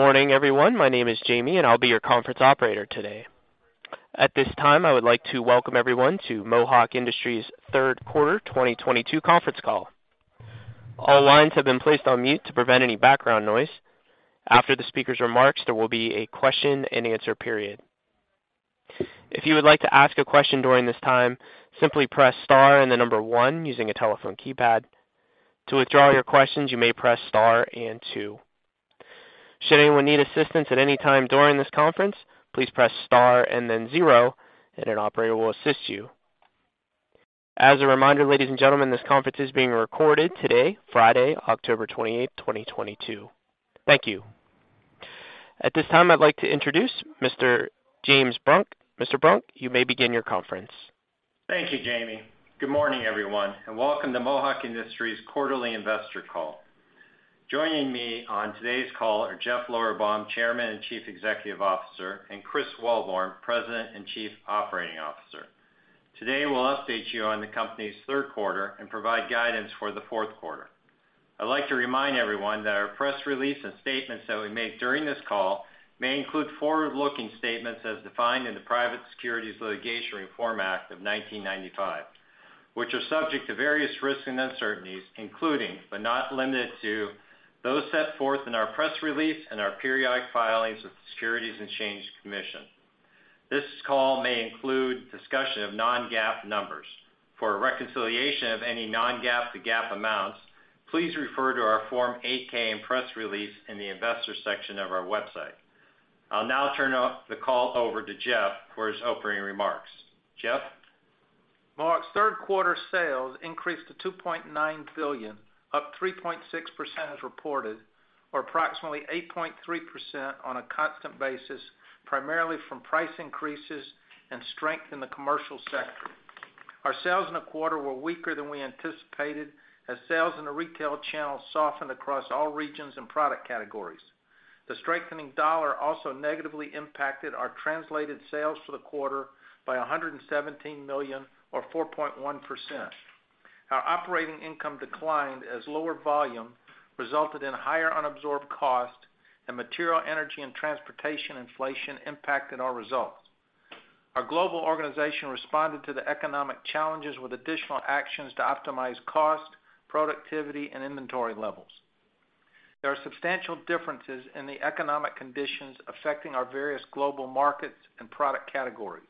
Good morning, everyone. My name is Jamie, and I'll be your conference operator today. At this time, I would like to welcome everyone to Mohawk Industries third quarter 2022 conference call. All lines have been placed on mute to prevent any background noise. After the speaker's remarks, there will be a question and answer period. If you would like to ask a question during this time, simply press star one using a telephone keypad. To withdraw your questions, you may press star two. Should anyone need assistance at any time during this conference, please press star zero, and an operator will assist you. As a reminder, ladies and gentlemen, this conference is being recorded today, Friday, October 28, 2022. Thank you. At this time, I'd like to introduce Mr. James Brunk. Mr. Brunk, you may begin your conference. Thank you, Jamie. Good morning, everyone, and welcome to Mohawk Industries quarterly investor call. Joining me on today's call are Jeff Lorberbaum, Chairman and Chief Executive Officer, and Chris Wellborn, President and Chief Operating Officer. Today, we'll update you on the company's third quarter and provide guidance for the fourth quarter. I'd like to remind everyone that our press release and statements that we make during this call may include forward looking statements as defined in the Private Securities Litigation Reform Act of 1995, which are subject to various risks and uncertainties, including, but not limited to, those set forth in our press release and our periodic filings with the Securities and Exchange Commission. This call may include discussion of non-GAAP numbers. For a reconciliation of any non-GAAP to GAAP amounts, please refer to our Form 8K and press release in the investor section of our website. I'll now turn the call over to Jeff for his opening remarks. Jeff? Mohawk's third quarter sales increased to $2.9 billion, up 3.6% as reported, or approximately 8.3% on a constant basis, primarily from price increases and strength in the commercial sector. Our sales in the quarter were weaker than we anticipated, as sales in the retail channel softened across all regions and product categories. The strengthening dollar also negatively impacted our translated sales for the quarter by $117 million or 4.1%. Our operating income declined as lower volume resulted in higher unabsorbed cost and material, energy, and transportation inflation impacted our results. Our global organization responded to the economic challenges with additional actions to optimize cost, productivity, and inventory levels. There are substantial differences in the economic conditions affecting our various global markets and product categories.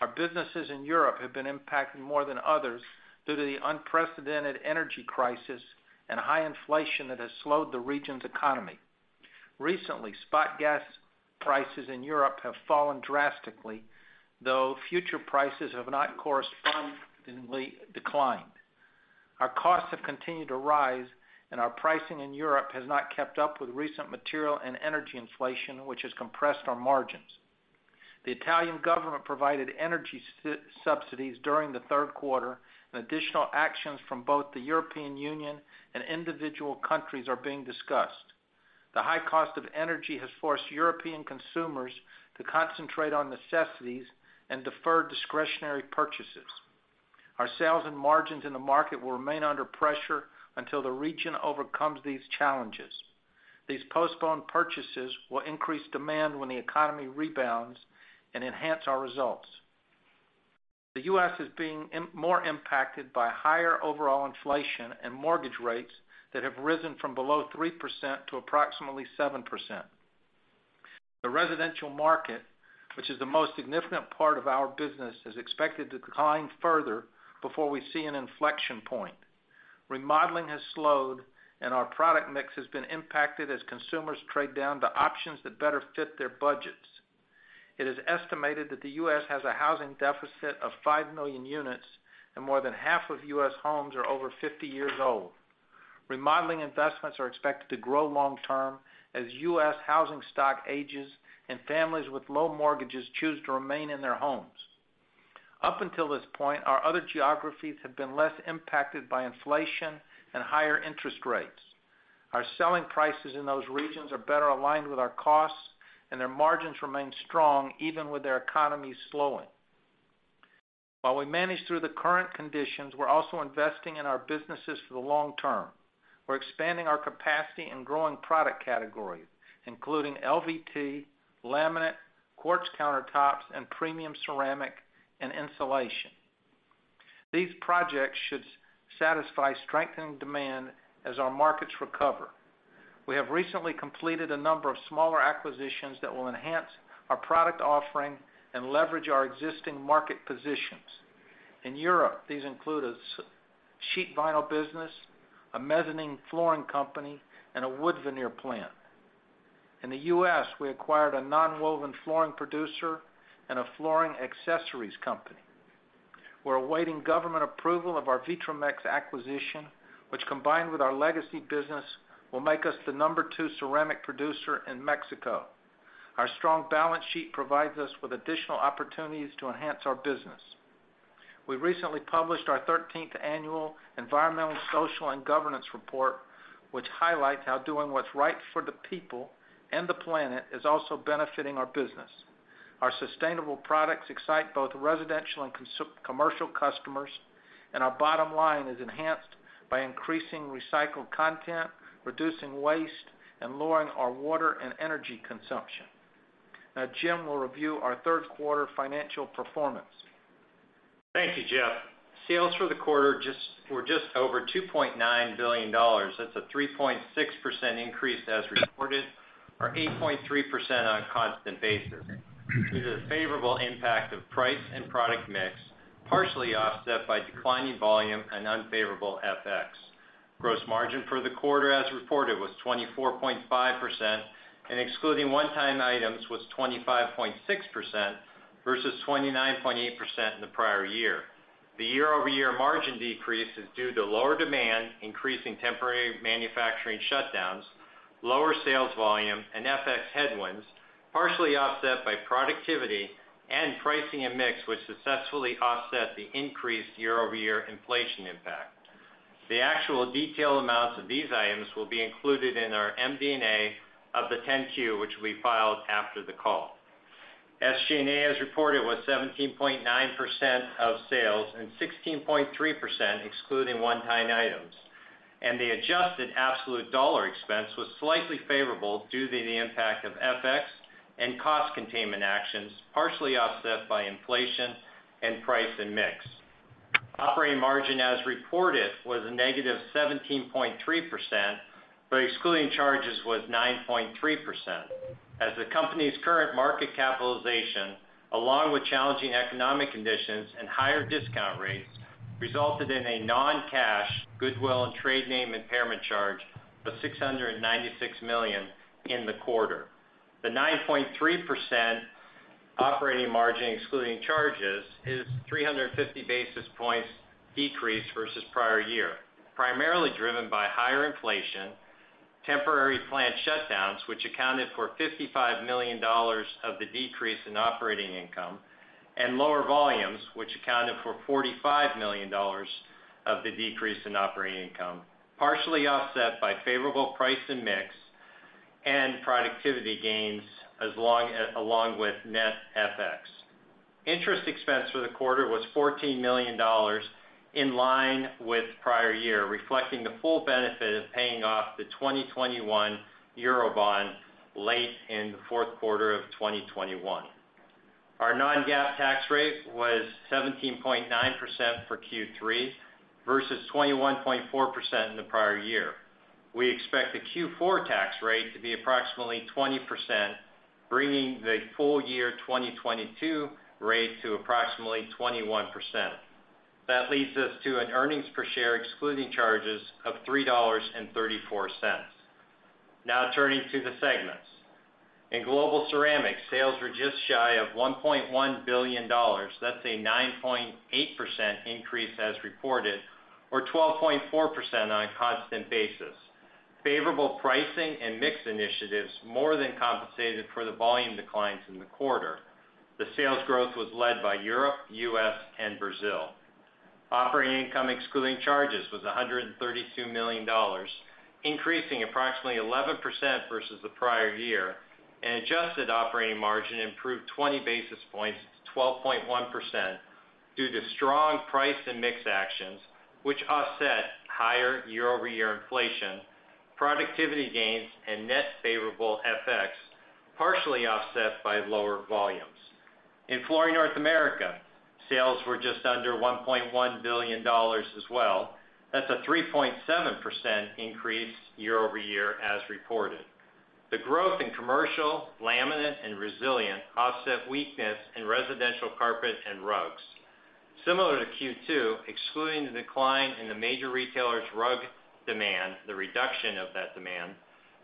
Our businesses in Europe have been impacted more than others due to the unprecedented energy crisis and high inflation that has slowed the region's economy. Recently, spot gas prices in Europe have fallen drastically, though future prices have not correspondingly declined. Our costs have continued to rise and our pricing in Europe has not kept up with recent material and energy inflation, which has compressed our margins. The Italian government provided energy subsidies during the third quarter, and additional actions from both the European Union and individual countries are being discussed. The high cost of energy has forced European consumers to concentrate on necessities and defer discretionary purchases. Our sales and margins in the market will remain under pressure until the region overcomes these challenges. These postponed purchases will increase demand when the economy rebounds and enhance our results. The U.S. is being more impacted by higher overall inflation and mortgage rates that have risen from below 3% to approximately 7%. The residential market, which is the most significant part of our business, is expected to decline further before we see an inflection point. Remodeling has slowed and our product mix has been impacted as consumers trade down to options that better fit their budgets. It is estimated that the U.S. has a housing deficit of 5 million units and more than half of U.S. homes are over 50 years old. Remodeling investments are expected to grow long term as U.S. housing stock ages and families with low mortgages choose to remain in their homes. Up until this point, our other geographies have been less impacted by inflation and higher interest rates. Our selling prices in those regions are better aligned with our costs, and their margins remain strong even with their economies slowing. While we manage through the current conditions, we're also investing in our businesses for the long term. We're expanding our capacity and growing product categories, including LVT, laminate, quartz countertops and premium ceramic and insulation. These projects should satisfy strengthening demand as our markets recover. We have recently completed a number of smaller acquisitions that will enhance our product offering and leverage our existing market positions. In Europe, these include a sheet vinyl business, a mezzanine flooring company and a wood veneer plant. In the U.S., we acquired a nonwoven flooring producer and a flooring accessories company. We're awaiting government approval of our Vitromex acquisition, which, combined with our legacy business, will make us the number two ceramic producer in Mexico. Our strong balance sheet provides us with additional opportunities to enhance our business. We recently published our thirteenth Annual Environmental, Social, and Governance Report, which highlights how doing what's right for the people and the planet is also benefiting our business. Our sustainable products excite both residential and commercial customers, and our bottom line is enhanced by increasing recycled content, reducing waste, and lowering our water and energy consumption. Now, Chris will review our third quarter financial performance. Thank you, Jeff. Sales for the quarter were just over $2.9 billion. That's a 3.6% increase as reported, or 8.3% on a constant basis. Due to the favorable impact of price and product mix, partially offset by declining volume and unfavorable FX. Gross margin for the quarter as reported was 24.5% and excluding one time items was 25.6% versus 29.8% in the prior year. The year-over-year margin decrease is due to lower demand, increasing temporary manufacturing shutdowns, lower sales volume and FX headwinds, partially offset by productivity and pricing and mix, which successfully offset the increased year-over-year inflation impact. The actual detailed amounts of these items will be included in our MD&A of the 10Q, which we filed after the call. SG&A, as reported, was 17.9% of sales and 16.3% excluding one time items. The adjusted absolute dollar expense was slightly favorable due to the impact of FX and cost containment actions, partially offset by inflation and price and mix. Operating margin as reported was a negative 17.3%, but excluding charges was 9.3%. As the company's current market capitalization, along with challenging economic conditions and higher discount rates, resulted in a non cash goodwill and trade name impairment charge of $696 million in the quarter. The 9.3% operating margin excluding charges is 350 basis points decrease versus prior year, primarily driven by higher inflation, temporary plant shutdowns, which accounted for $55 million of the decrease in operating income and lower volumes, which accounted for $45 million of the decrease in operating income. Partially offset by favorable price and mix and productivity gains along with net FX. Interest expense for the quarter was $14 million, in line with prior year, reflecting the full benefit of paying off the 2021 euro bond late in the fourth quarter of 2021. Our non-GAAP tax rate was 17.9% for Q3 versus 21.4% in the prior year. We expect the Q4 tax rate to be approximately 20%, bringing the full year 2022 rate to approximately 21%. That leads us to an earnings per share excluding charges of $3.34. Now turning to the segments. In Global Ceramic, sales were just shy of $1.1 billion. That's a 9.8% increase as reported, or 12.4% on a constant basis. Favorable pricing and mix initiatives more than compensated for the volume declines in the quarter. The sales growth was led by Europe, U.S. and Brazil. Operating income excluding charges was $132 million, increasing approximately 11% versus the prior year, and adjusted operating margin improved 20 basis points to 12.1% due to strong price and mix actions which offset higher year-over-year inflation, productivity gains and net favorable FX, partially offset by lower volumes. In Flooring North America, sales were just under $1.1 billion as well. That's a 3.7% increase year-over-year as reported. The growth in commercial, laminate and resilient offset weakness in residential carpet and rugs. Similar to Q2, excluding the decline in the major retailers' rug demand, the reduction of that demand,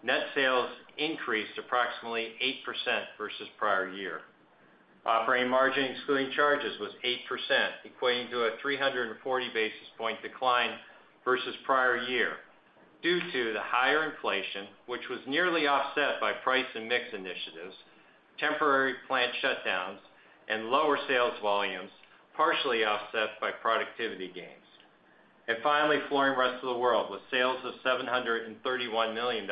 net sales increased approximately 8% versus prior year. Operating margin excluding charges was 8%, equating to a 340 basis point decline versus prior year. Due to the higher inflation, which was nearly offset by price and mix initiatives, temporary plant shutdowns and lower sales volumes, partially offset by productivity gains. Finally, Flooring Rest of the World with sales of $731 million.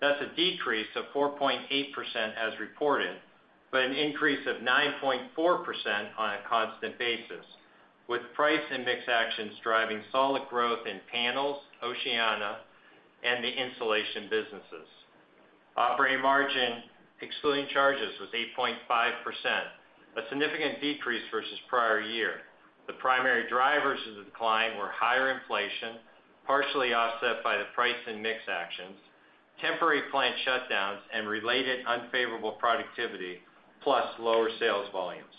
That's a decrease of 4.8% as reported, but an increase of 9.4% on a constant basis, with price and mix actions driving solid growth in panels, Oceania, and the installation businesses. Operating margin excluding charges was 8.5%, a significant decrease versus prior year. The primary drivers of the decline were higher inflation, partially offset by the price and mix actions, temporary plant shutdowns and related unfavorable productivity, plus lower sales volumes.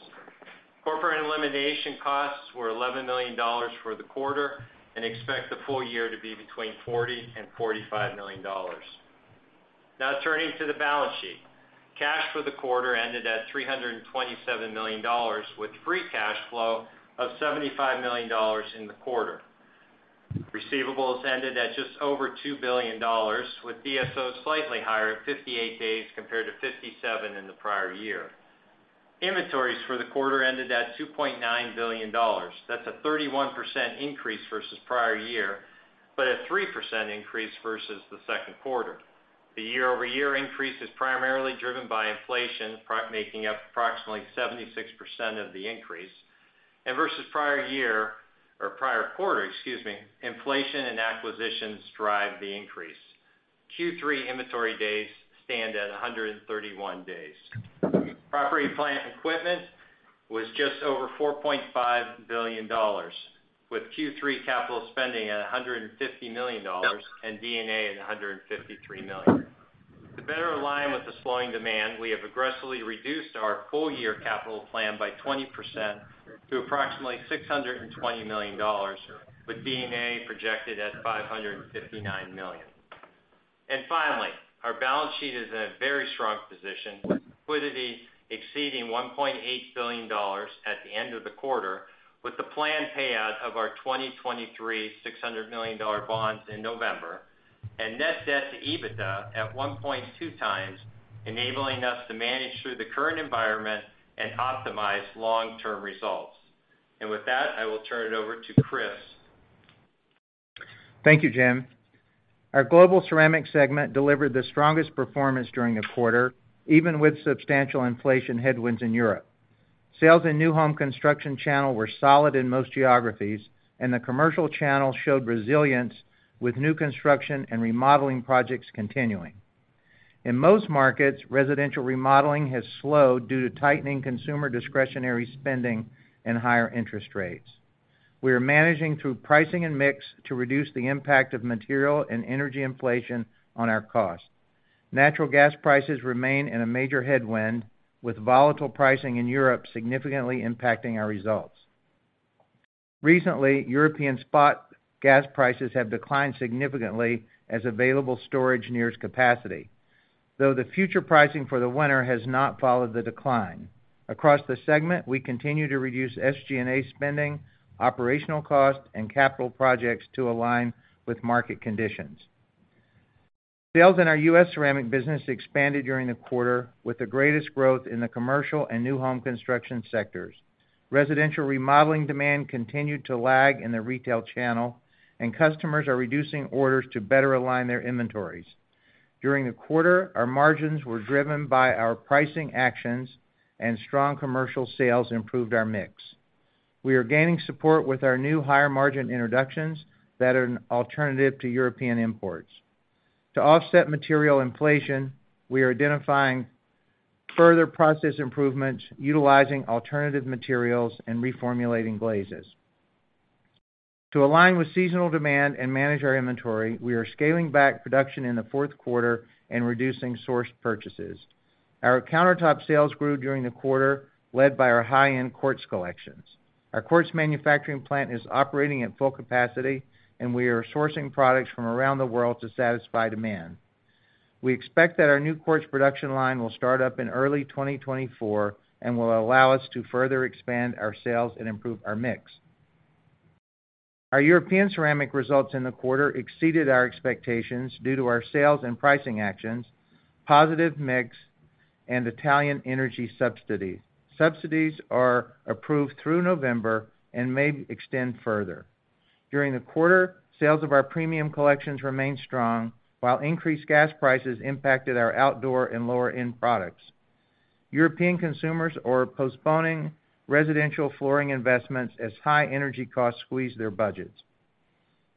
Corporate elimination costs were $11 million for the quarter and expect the full year to be between $40-$45 million. Now turning to the balance sheet. Cash for the quarter ended at $327 million with free cash flow of $75 million in the quarter. Receivables ended at just over $2 billion, with DSOs slightly higher at 58 days compared to 57 in the prior year. Inventories for the quarter ended at $2.9 billion. That's a 31% increase versus prior year. A 3% increase versus the second quarter. The year-over-year increase is primarily driven by inflation, making up approximately 76% of the increase. Versus prior year, or prior quarter, excuse me, inflation and acquisitions drive the increase. Q3 inventory days stand at 131 days. Property, plant and equipment was just over $4.5 billion, with Q3 capital spending at $150 million and D&A at $153 million. To better align with the slowing demand, we have aggressively reduced our full year capital plan by 20% to approximately $620 million, with D&A projected at $559 million. Finally, our balance sheet is in a very strong position, with liquidity exceeding $1.8 billion at the end of the quarter, with the planned payout of our 2023 $600 million bonds in November, and net debt to EBITDA at 1.2x, enabling us to manage through the current environment and optimize long term results. With that, I will turn it over to Chris. Thank you, Jim. Our Global Ceramic segment delivered the strongest performance during the quarter, even with substantial inflation headwinds in Europe. Sales in new home construction channel were solid in most geographies, and the commercial channel showed resilience with new construction and remodeling projects continuing. In most markets, residential remodeling has slowed due to tightening consumer discretionary spending and higher interest rates. We are managing through pricing and mix to reduce the impact of material and energy inflation on our cost. Natural gas prices remain in a major headwind, with volatile pricing in Europe significantly impacting our results. Recently, European spot gas prices have declined significantly as available storage nears capacity, though the future pricing for the winter has not followed the decline. Across the segment, we continue to reduce SG&A spending, operational cost, and capital projects to align with market conditions. Sales in our U.S. Ceramic business expanded during the quarter, with the greatest growth in the commercial and new home construction sectors. Residential remodeling demand continued to lag in the retail channel, and customers are reducing orders to better align their inventories. During the quarter, our margins were driven by our pricing actions, and strong commercial sales improved our mix. We are gaining support with our new higher margin introductions that are an alternative to European imports. To offset material inflation, we are identifying further process improvements, utilizing alternative materials, and reformulating glazes. To align with seasonal demand and manage our inventory, we are scaling back production in the fourth quarter and reducing source purchases. Our countertop sales grew during the quarter, led by our high end quartz collections. Our quartz manufacturing plant is operating at full capacity, and we are sourcing products from around the world to satisfy demand. We expect that our new quartz production line will start up in early 2024 and will allow us to further expand our sales and improve our mix. Our European ceramic results in the quarter exceeded our expectations due to our sales and pricing actions, positive mix, and Italian energy subsidies. Subsidies are approved through November and may extend further. During the quarter, sales of our premium collections remained strong, while increased gas prices impacted our outdoor and lower-end products. European consumers are postponing residential flooring investments as high energy costs squeeze their budgets.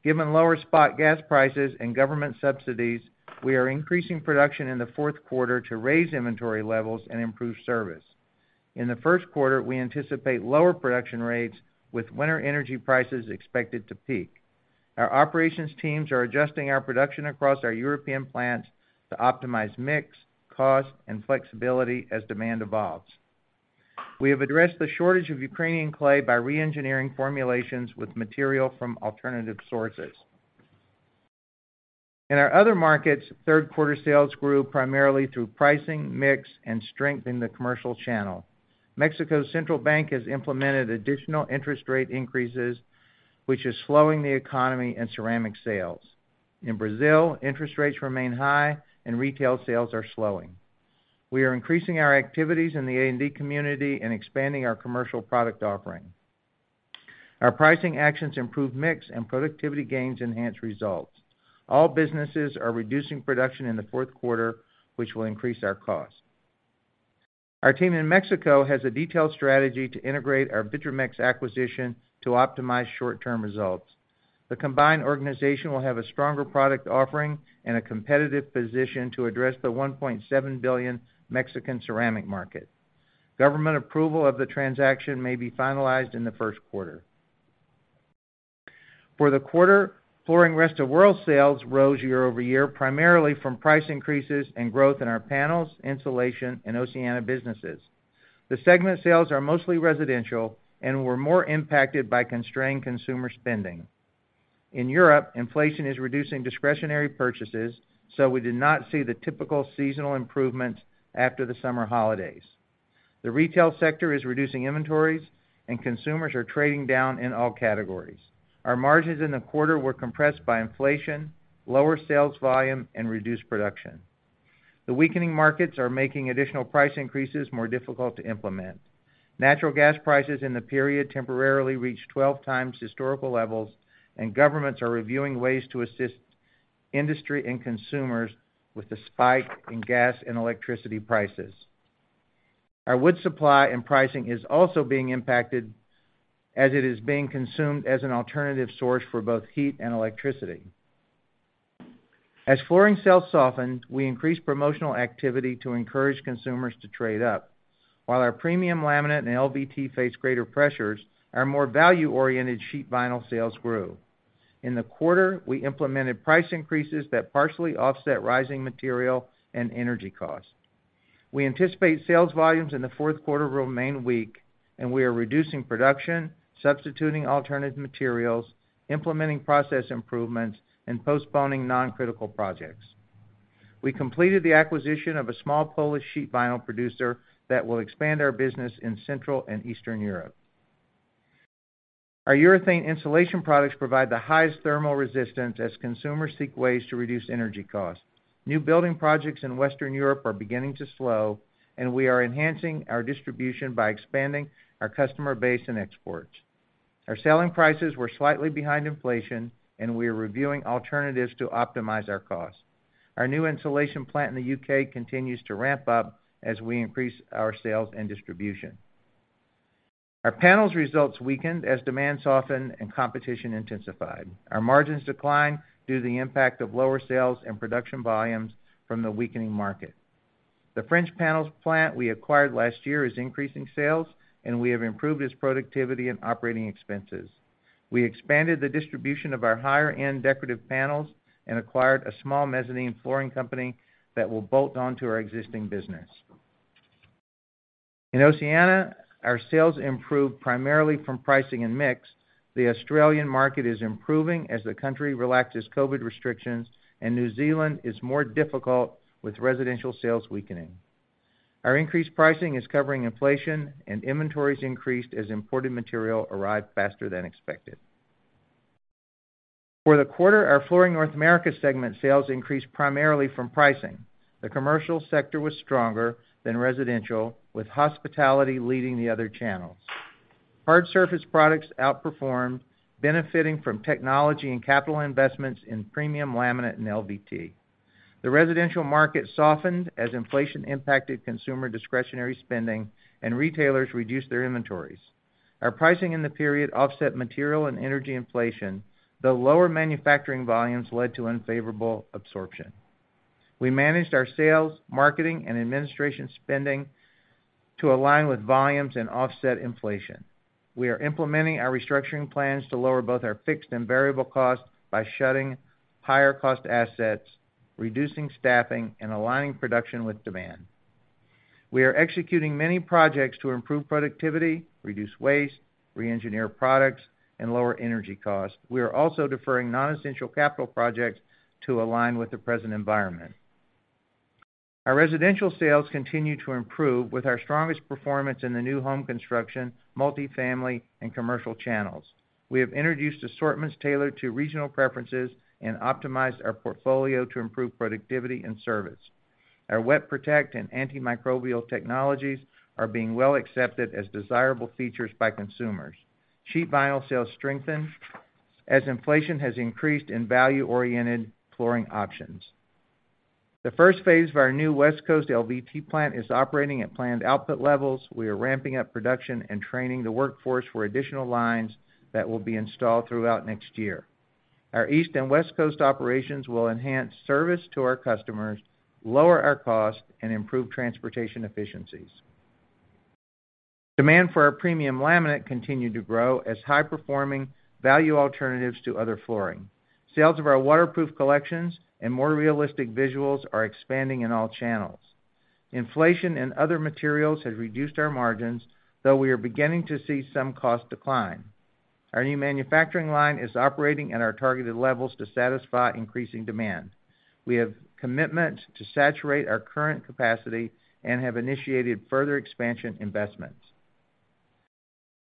Given lower spot gas prices and government subsidies, we are increasing production in the fourth quarter to raise inventory levels and improve service. In the first quarter, we anticipate lower production rates with winter energy prices expected to peak. Our operations teams are adjusting our production across our European plants to optimize mix, cost, and flexibility as demand evolves. We have addressed the shortage of Ukrainian clay by re-engineering formulations with material from alternative sources. In our other markets, third quarter sales grew primarily through pricing, mix, and strength in the commercial channel. Mexico's central bank has implemented additional interest rate increases, which is slowing the economy and ceramic sales. In Brazil, interest rates remain high and retail sales are slowing. We are increasing our activities in the A&D community and expanding our commercial product offering. Our pricing actions improve mix and productivity gains enhance results. All businesses are reducing production in the fourth quarter, which will increase our cost. Our team in Mexico has a detailed strategy to integrate our Vitromex acquisition to optimize short term results. The combined organization will have a stronger product offering and a competitive position to address the $1.7 billion Mexican ceramic market. Government approval of the transaction may be finalized in the first quarter. For the quarter, Flooring Rest of the World sales rose year-over-year, primarily from price increases and growth in our panels, insulation, and Oceania businesses. The segment sales are mostly residential and were more impacted by constrained consumer spending. In Europe, inflation is reducing discretionary purchases, so we did not see the typical seasonal improvements after the summer holidays. The retail sector is reducing inventories, and consumers are trading down in all categories. Our margins in the quarter were compressed by inflation, lower sales volume, and reduced production. The weakening markets are making additional price increases more difficult to implement. Natural gas prices in the period temporarily reached 12x historical levels, and governments are reviewing ways to assist industry and consumers with the spike in gas and electricity prices. Our wood supply and pricing is also being impacted as it is being consumed as an alternative source for both heat and electricity. As flooring sales softened, we increased promotional activity to encourage consumers to trade up. While our premium laminate and LVT faced greater pressures, our more value oriented sheet vinyl sales grew. In the quarter, we implemented price increases that partially offset rising material and energy costs. We anticipate sales volumes in the fourth quarter will remain weak, and we are reducing production, substituting alternative materials, implementing process improvements, and postponing non critical projects. We completed the acquisition of a small Polish sheet vinyl producer that will expand our business in Central and Eastern Europe. Our urethane insulation products provide the highest thermal resistance as consumers seek ways to reduce energy costs. New building projects in Western Europe are beginning to slow, and we are enhancing our distribution by expanding our customer base and exports. Our selling prices were slightly behind inflation, and we are reviewing alternatives to optimize our costs. Our new insulation plant in the U.K. continues to ramp up as we increase our sales and distribution. Our panels results weakened as demand softened and competition intensified. Our margins declined due to the impact of lower sales and production volumes from the weakening market. The French panels plant we acquired last year is increasing sales, and we have improved its productivity and operating expenses. We expanded the distribution of our higher end decorative panels and acquired a small mezzanine flooring company that will bolt on to our existing business. In Oceania, our sales improved primarily from pricing and mix. The Australian market is improving as the country relaxes COVID restrictions, and New Zealand is more difficult, with residential sales weakening. Our increased pricing is covering inflation, and inventories increased as imported material arrived faster than expected. For the quarter, our Flooring North America segment sales increased primarily from pricing. The commercial sector was stronger than residential, with hospitality leading the other channels. Hard surface products outperformed, benefiting from technology and capital investments in premium laminate and LVT. The residential market softened as inflation impacted consumer discretionary spending and retailers reduced their inventories. Our pricing in the period offset material and energy inflation, though lower manufacturing volumes led to unfavorable absorption. We managed our sales, marketing and administration spending to align with volumes and offset inflation. We are implementing our restructuring plans to lower both our fixed and variable costs by shutting higher cost assets, reducing staffing and aligning production with demand. We are executing many projects to improve productivity, reduce waste, re-engineer products, and lower energy costs. We are also deferring non essential capital projects to align with the present environment. Our residential sales continue to improve with our strongest performance in the new home construction, multifamily, and commercial channels. We have introduced assortments tailored to regional preferences and optimized our portfolio to improve productivity and service. Our WetProtect and antimicrobial technologies are being well accepted as desirable features by consumers. Sheet vinyl sales strengthened as inflation has increased in value oriented flooring options. The first phase of our new West Coast LVT plant is operating at planned output levels. We are ramping up production and training the workforce for additional lines that will be installed throughout next year. Our East and West Coast operations will enhance service to our customers, lower our costs, and improve transportation efficiencies. Demand for our premium laminate continued to grow as high performing value alternatives to other flooring. Sales of our waterproof collections and more realistic visuals are expanding in all channels. Inflation in other materials has reduced our margins, though we are beginning to see some cost decline. Our new manufacturing line is operating at our targeted levels to satisfy increasing demand. We have commitments to saturate our current capacity and have initiated further expansion investments.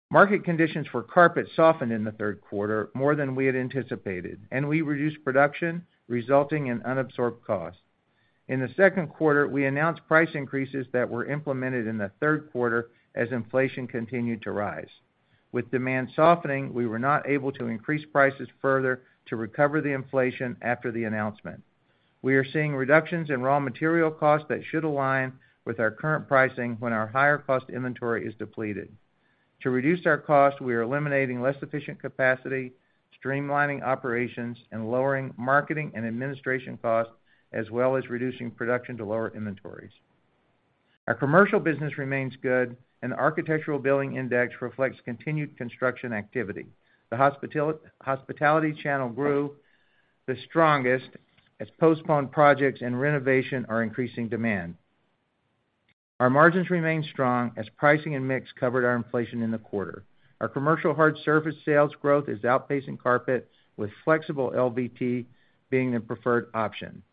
Market conditions for carpet softened in the third quarter more than we had anticipated, and we reduced production, resulting in unabsorbed costs. In the second quarter, we announced price increases that were implemented in the third quarter as inflation continued to rise. With demand softening, we were not able to increase prices further to recover the inflation after the announcement. We are seeing reductions in raw material costs that should align with our current pricing when our higher-cost inventory is depleted. To reduce our costs, we are eliminating less efficient capacity, streamlining operations and lowering marketing and administration costs, as well as reducing production to lower inventories. Our commercial business remains good, and Architectural Billings Index reflects continued construction activity. The hospitality channel grew the strongest as postponed projects and renovation are increasing demand. Our margins remained strong as pricing and mix covered our inflation in the quarter. Our commercial hard surface sales growth is outpacing carpet, with flexible LVT being the preferred option.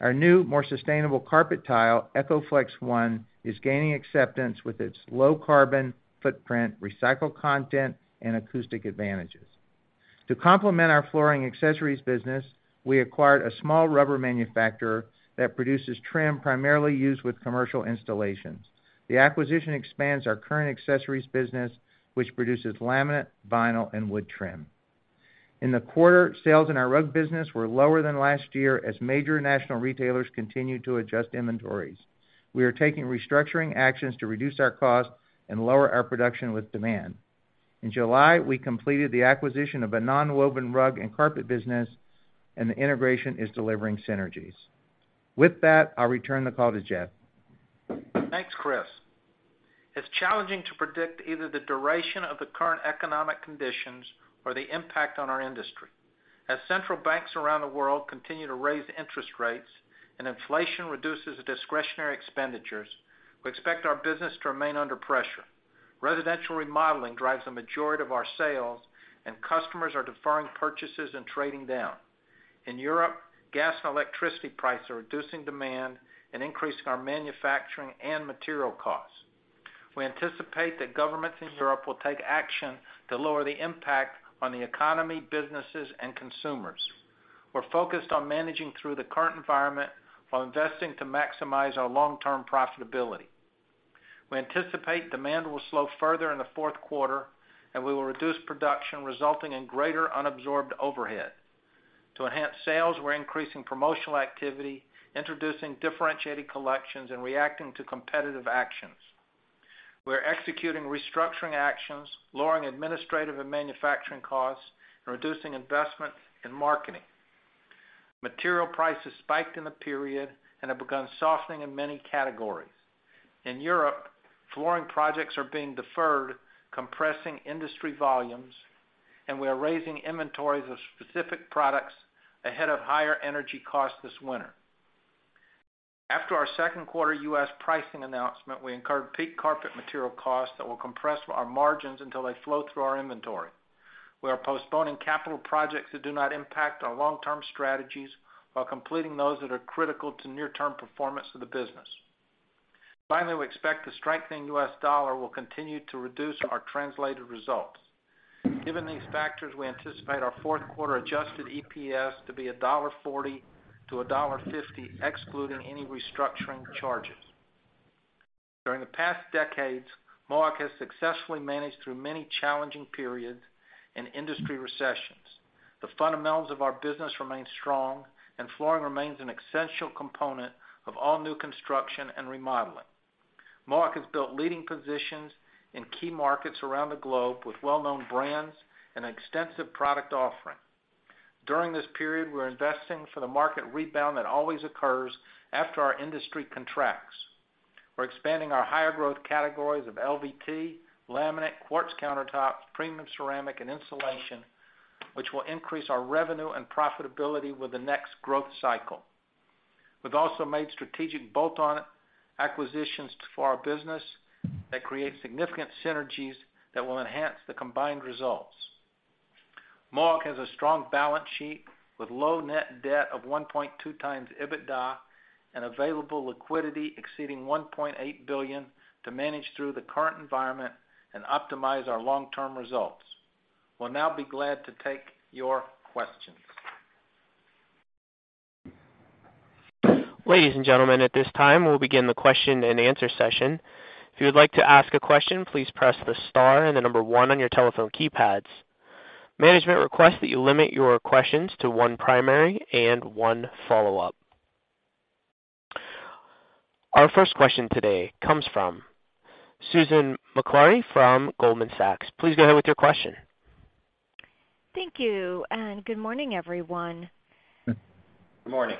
Our new, more sustainable carpet tile, EcoFlex ONE, is gaining acceptance with its low carbon footprint, recycled content, and acoustic advantages. To complement our flooring accessories business, we acquired a small rubber manufacturer that produces trim primarily used with commercial installations. The acquisition expands our current accessories business, which produces laminate, vinyl, and wood trim. In the quarter, sales in our rug business were lower than last year as major national retailers continued to adjust inventories. We are taking restructuring actions to reduce our costs and lower our production with demand. In July, we completed the acquisition of a nonwoven rug and carpet business and the integration is delivering synergies. With that, I'll return the call to Jeff. Thanks, Chris. It's challenging to predict either the duration of the current economic conditions or the impact on our industry. As central banks around the world continue to raise interest rates and inflation reduces discretionary expenditures, we expect our business to remain under pressure. Residential remodeling drives the majority of our sales, and customers are deferring purchases and trading down. In Europe, gas and electricity prices are reducing demand and increasing our manufacturing and material costs. We anticipate that governments in Europe will take action to lower the impact on the economy, businesses, and consumers. We're focused on managing through the current environment while investing to maximize our long term profitability. We anticipate demand will slow further in the fourth quarter and we will reduce production, resulting in greater unabsorbed overhead. To enhance sales, we're increasing promotional activity, introducing differentiated collections, and reacting to competitive actions. We're executing restructuring actions, lowering administrative and manufacturing costs, and reducing investment in marketing. Material prices spiked in the period and have begun softening in many categories. In Europe, flooring projects are being deferred, compressing industry volumes, and we are raising inventories of specific products ahead of higher energy costs this winter. After our second quarter US pricing announcement, we incurred peak carpet material costs that will compress our margins until they flow through our inventory. We are postponing capital projects that do not impact our long term strategies while completing those that are critical to near term performance of the business. Finally, we expect the strengthening US dollar will continue to reduce our translated results. Given these factors, we anticipate our fourth quarter adjusted EPS to be $1.40-$1.50, excluding any restructuring charges. During the past decades, Mohawk has successfully managed through many challenging periods and industry recessions. The fundamentals of our business remain strong and flooring remains an essential component of all new construction and remodeling. Mohawk has built leading positions in key markets around the globe with well known brands and extensive product offering. During this period, we're investing for the market rebound that always occurs after our industry contracts. We're expanding our higher growth categories of LVT, laminate, quartz countertops, premium ceramic and insulation, which will increase our revenue and profitability with the next growth cycle. We've also made strategic bolt-on acquisitions for our business that create significant synergies that will enhance the combined results. Mohawk has a strong balance sheet with low net debt of 1.2x EBITDA and available liquidity exceeding $1.8 billion to manage through the current environment and optimize our long term results. We'll now be glad to take your questions. Ladies and gentlemen, at this time, we'll begin the question and answer session. If you would like to ask a question, please press the star and the number one on your telephone keypads. Management requests that you limit your questions to one primary and one follow up. Our first question today comes from Susan Maklari from Goldman Sachs. Please go ahead with your question. Thank you, and good morning, everyone. Good morning.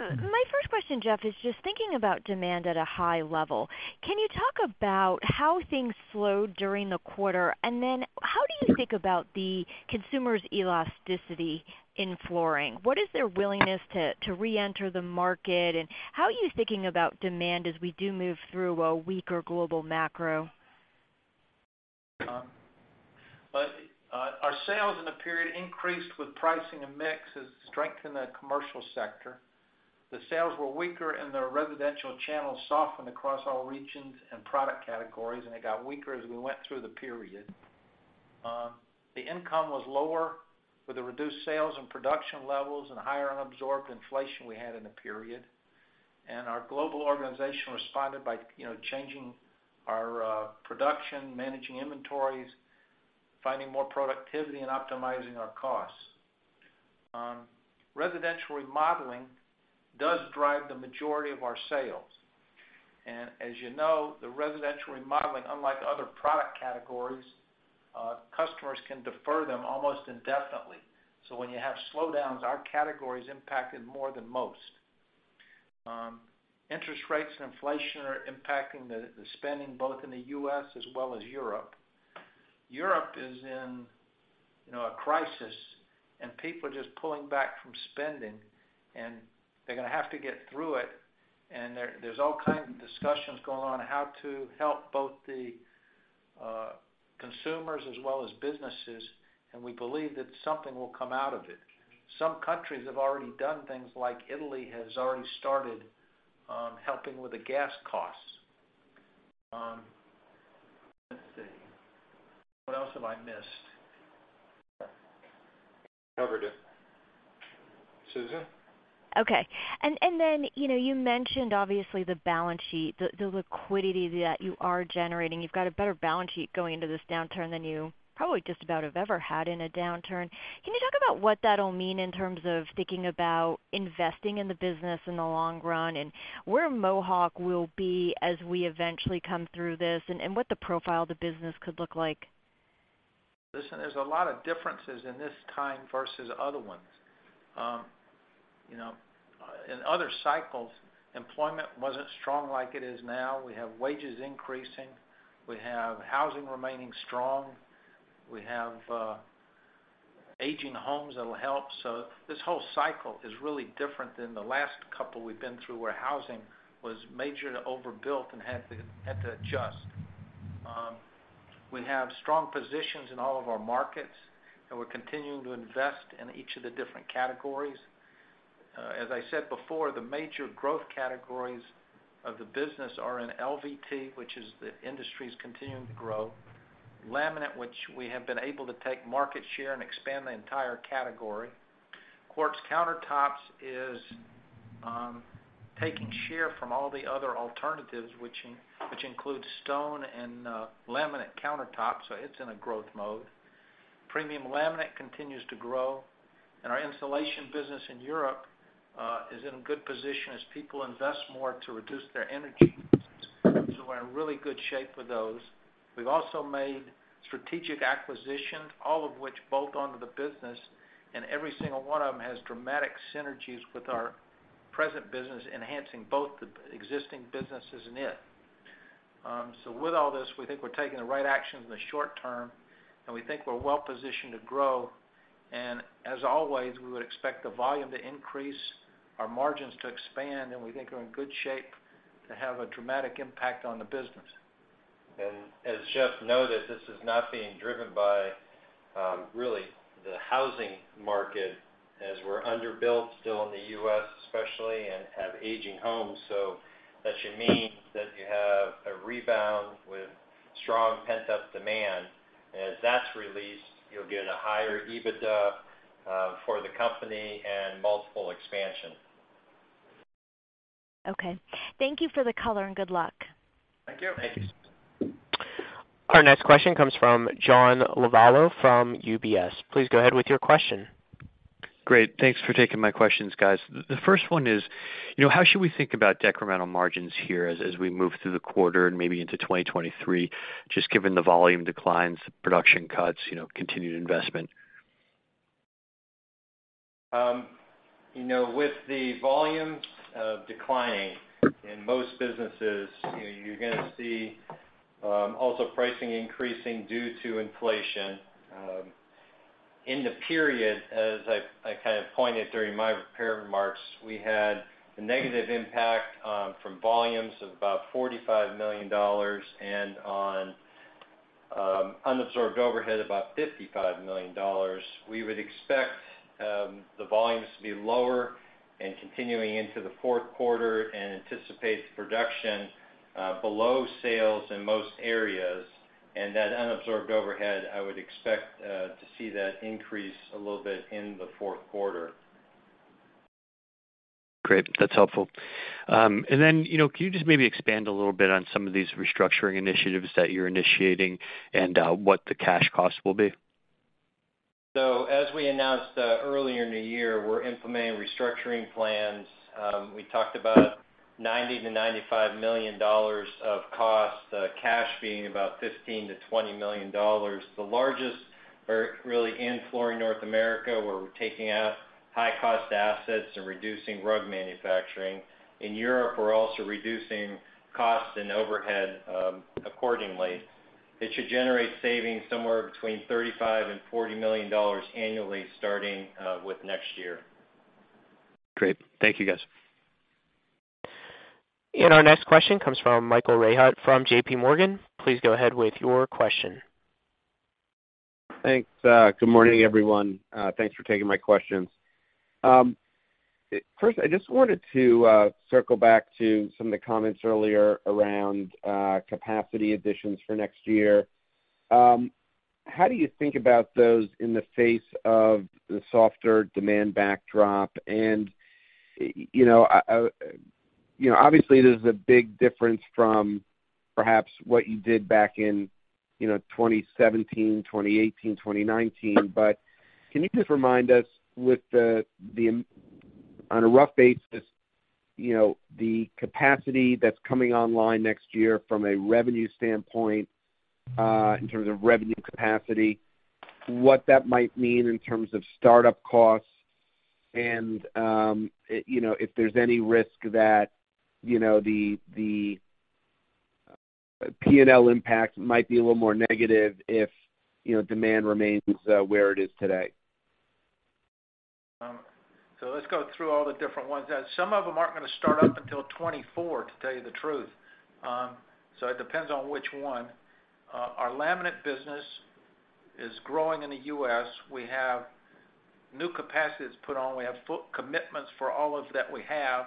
My first question, Jeff, is just thinking about demand at a high level. Can you talk about how things slowed during the quarter? How do you think about the consumer's elasticity in flooring? What is their willingness to reenter the market and how are you thinking about demand as we do move through a weaker global macro? Our sales in the period increased with pricing and mix as the commercial sector strengthened. The sales were weaker, and the residential channels softened across all regions and product categories, and it got weaker as we went through the period. The income was lower with the reduced sales and production levels and higher unabsorbed inflation we had in the period. Our global organization responded by, you know, changing our production, managing inventories, finding more productivity, and optimizing our costs. Residential remodeling does drive the majority of our sales. As you know, the residential remodeling, unlike other product categories, customers can defer them almost indefinitely. So when you have slowdowns, our category is impacted more than most. Interest rates and inflation are impacting the spending both in the U.S. as well as Europe. Europe is in, you know, a crisis, and people are just pulling back from spending, and they're gonna have to get through it. There's all kinds of discussions going on how to help both the consumers as well as businesses, and we believe that something will come out of it. Some countries have already done things like Italy has already started helping with the gas costs. Let's see. What else have I missed? Covered it. Susan? Okay. You know, you mentioned obviously the balance sheet, the liquidity that you are generating. You've got a better balance sheet going into this downturn than you probably just about have ever had in a downturn. Can you talk about what that'll mean in terms of thinking about investing in the business in the long run, and where Mohawk will be as we eventually come through this, and what the profile of the business could look like? Listen, there's a lot of differences in this time versus other ones. You know, in other cycles, employment wasn't strong like it is now. We have wages increasing. We have housing remaining strong. We have aging homes that'll help. This whole cycle is really different than the last couple we've been through, where housing was majorly overbuilt and had to adjust. We have strong positions in all of our markets and we're continuing to invest in each of the different categories. As I said before, the major growth categories of the business are in LVT, which is the industry's continuing to grow. Laminate, which we have been able to take market share and expand the entire category. Quartz countertops is taking share from all the other alternatives, which includes stone and laminate countertops. It's in a growth mode. Premium laminate continues to grow, and our insulation business in Europe is in a good position as people invest more to reduce their energy. We're in really good shape with those. We've also made strategic acquisitions, all of which bolt onto the business, and every single one of them has dramatic synergies with our present business, enhancing both the existing businesses and it. With all this, we think we're taking the right actions in the short term, and we think we're well positioned to grow. As always, we would expect the volume to increase, our margins to expand, and we think we're in good shape to have a dramatic impact on the business. As Jeff noted, this is not being driven by really the housing market as we're underbuilt still in the U.S. especially and have aging homes. That should mean that you have a rebound with strong pent-up demand. As that's released, you'll get a higher EBITDA for the company and multiple expansion. Okay. Thank you for the color, and good luck. Thank you. Thank you. Our next question comes from John Lovallo from UBS. Please go ahead with your question. Great. Thanks for taking my questions, guys. The first one is, you know, how should we think about decremental margins here as we move through the quarter and maybe into 2023, just given the volume declines, production cuts, you know, continued investment? You know, with the volumes declining in most businesses, you know, you're gonna see also pricing increasing due to inflation. In the period, as I kind of pointed during my prepared remarks, we had the negative impact from volumes of about $45 million and on unabsorbed overhead, about $55 million. We would expect the volumes to be lower and continuing into the fourth quarter and anticipate the production below sales in most areas. That unabsorbed overhead, I would expect to see that increase a little bit in the fourth quarter. Great. That's helpful. You know, can you just maybe expand a little bit on some of these restructuring initiatives that you're initiating and what the cash costs will be? As we announced earlier in the year, we're implementing restructuring plans. We talked about $90-$95 million of cost, cash being about $15-$20 million. The largest are really in Flooring North America, where we're taking out high cost assets and reducing rug manufacturing. In Europe, we're also reducing costs and overhead accordingly. It should generate savings somewhere between $35 million and $40 million annually starting with next year. Great. Thank you, guys. Our next question comes from Michael Rehaut from J.P. Morgan. Please go ahead with your question. Thanks. Good morning, everyone. Thanks for taking my questions. First, I just wanted to circle back to some of the comments earlier around capacity additions for next year. How do you think about those in the face of the softer demand backdrop? You know, obviously, there's a big difference from perhaps what you did back in, you know, 2017, 2018, 2019. Can you just remind us on a rough basis, you know, the capacity that's coming online next year from a revenue standpoint, in terms of revenue capacity, what that might mean in terms of startup costs, and, you know, if there's any risk that, you know, the P&L impact might be a little more negative if, you know, demand remains where it is today? Let's go through all the different ones. Some of them aren't gonna start up until 2024, to tell you the truth. It depends on which one. Our laminate business is growing in the U.S. We have new capacity is put on. We have full commitments for all of that we have,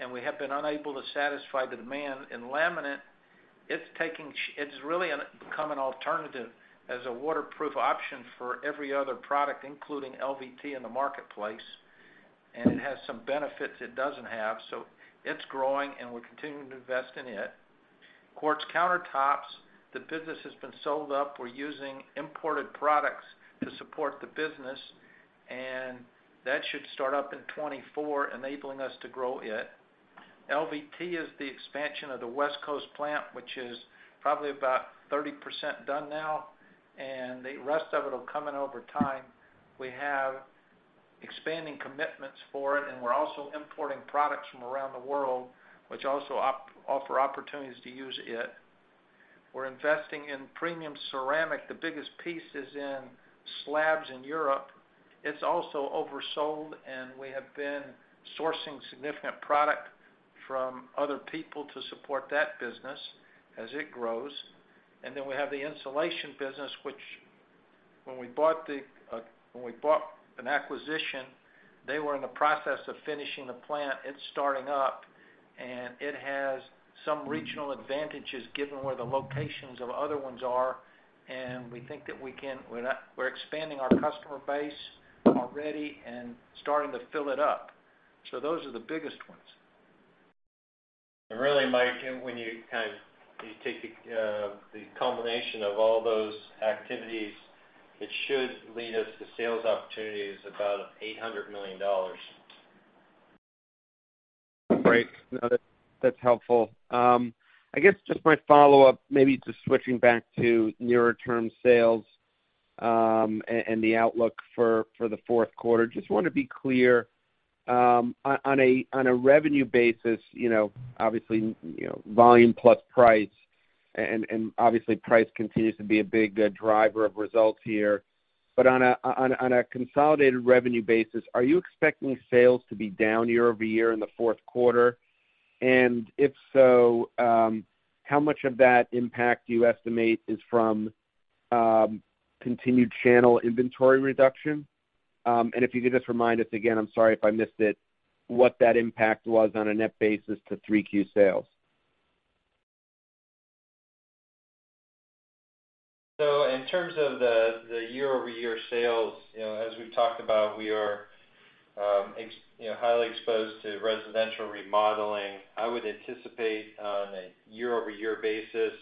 and we have been unable to satisfy the demand. In laminate, it's taking. It's really become an alternative as a waterproof option for every other product, including LVT in the marketplace, and it has some benefits it doesn't have. It's growing, and we're continuing to invest in it. Quartz countertops, the business has been sold up. We're using imported products to support the business, and that should start up in 2024, enabling us to grow it. LVT is the expansion of the West Coast plant, which is probably about 30% done now, and the rest of it will come in over time. We have expanding commitments for it, and we're also importing products from around the world, which also offer opportunities to use it. We're investing in premium ceramic. The biggest piece is in slabs in Europe. It's also oversold, and we have been sourcing significant product from other people to support that business as it grows. We have the insulation business, which when we bought an acquisition, they were in the process of finishing the plant. It's starting up, and it has some regional advantages given where the locations of other ones are. We think that we're expanding our customer base already and starting to fill it up. Those are the biggest ones. Really, Mike, when you kind of take the combination of all those activities, it should lead us to sales opportunities about $800 million. Great. No, that's helpful. I guess just my follow up, maybe just switching back to nearer term sales, and the outlook for the fourth quarter. Just want to be clear, on a revenue basis, you know, obviously, you know, volume plus price, and obviously, price continues to be a big driver of results here. But on a consolidated revenue basis, are you expecting sales to be down year-over-year in the fourth quarter? And if so, how much of that impact do you estimate is from continued channel inventory reduction? And if you could just remind us again, I'm sorry if I missed it, what that impact was on a net basis to 3Q sales. In terms of the year-over-year sales, you know, as we've talked about, we are you know, highly exposed to residential remodeling. I would anticipate on a year-over-year basis,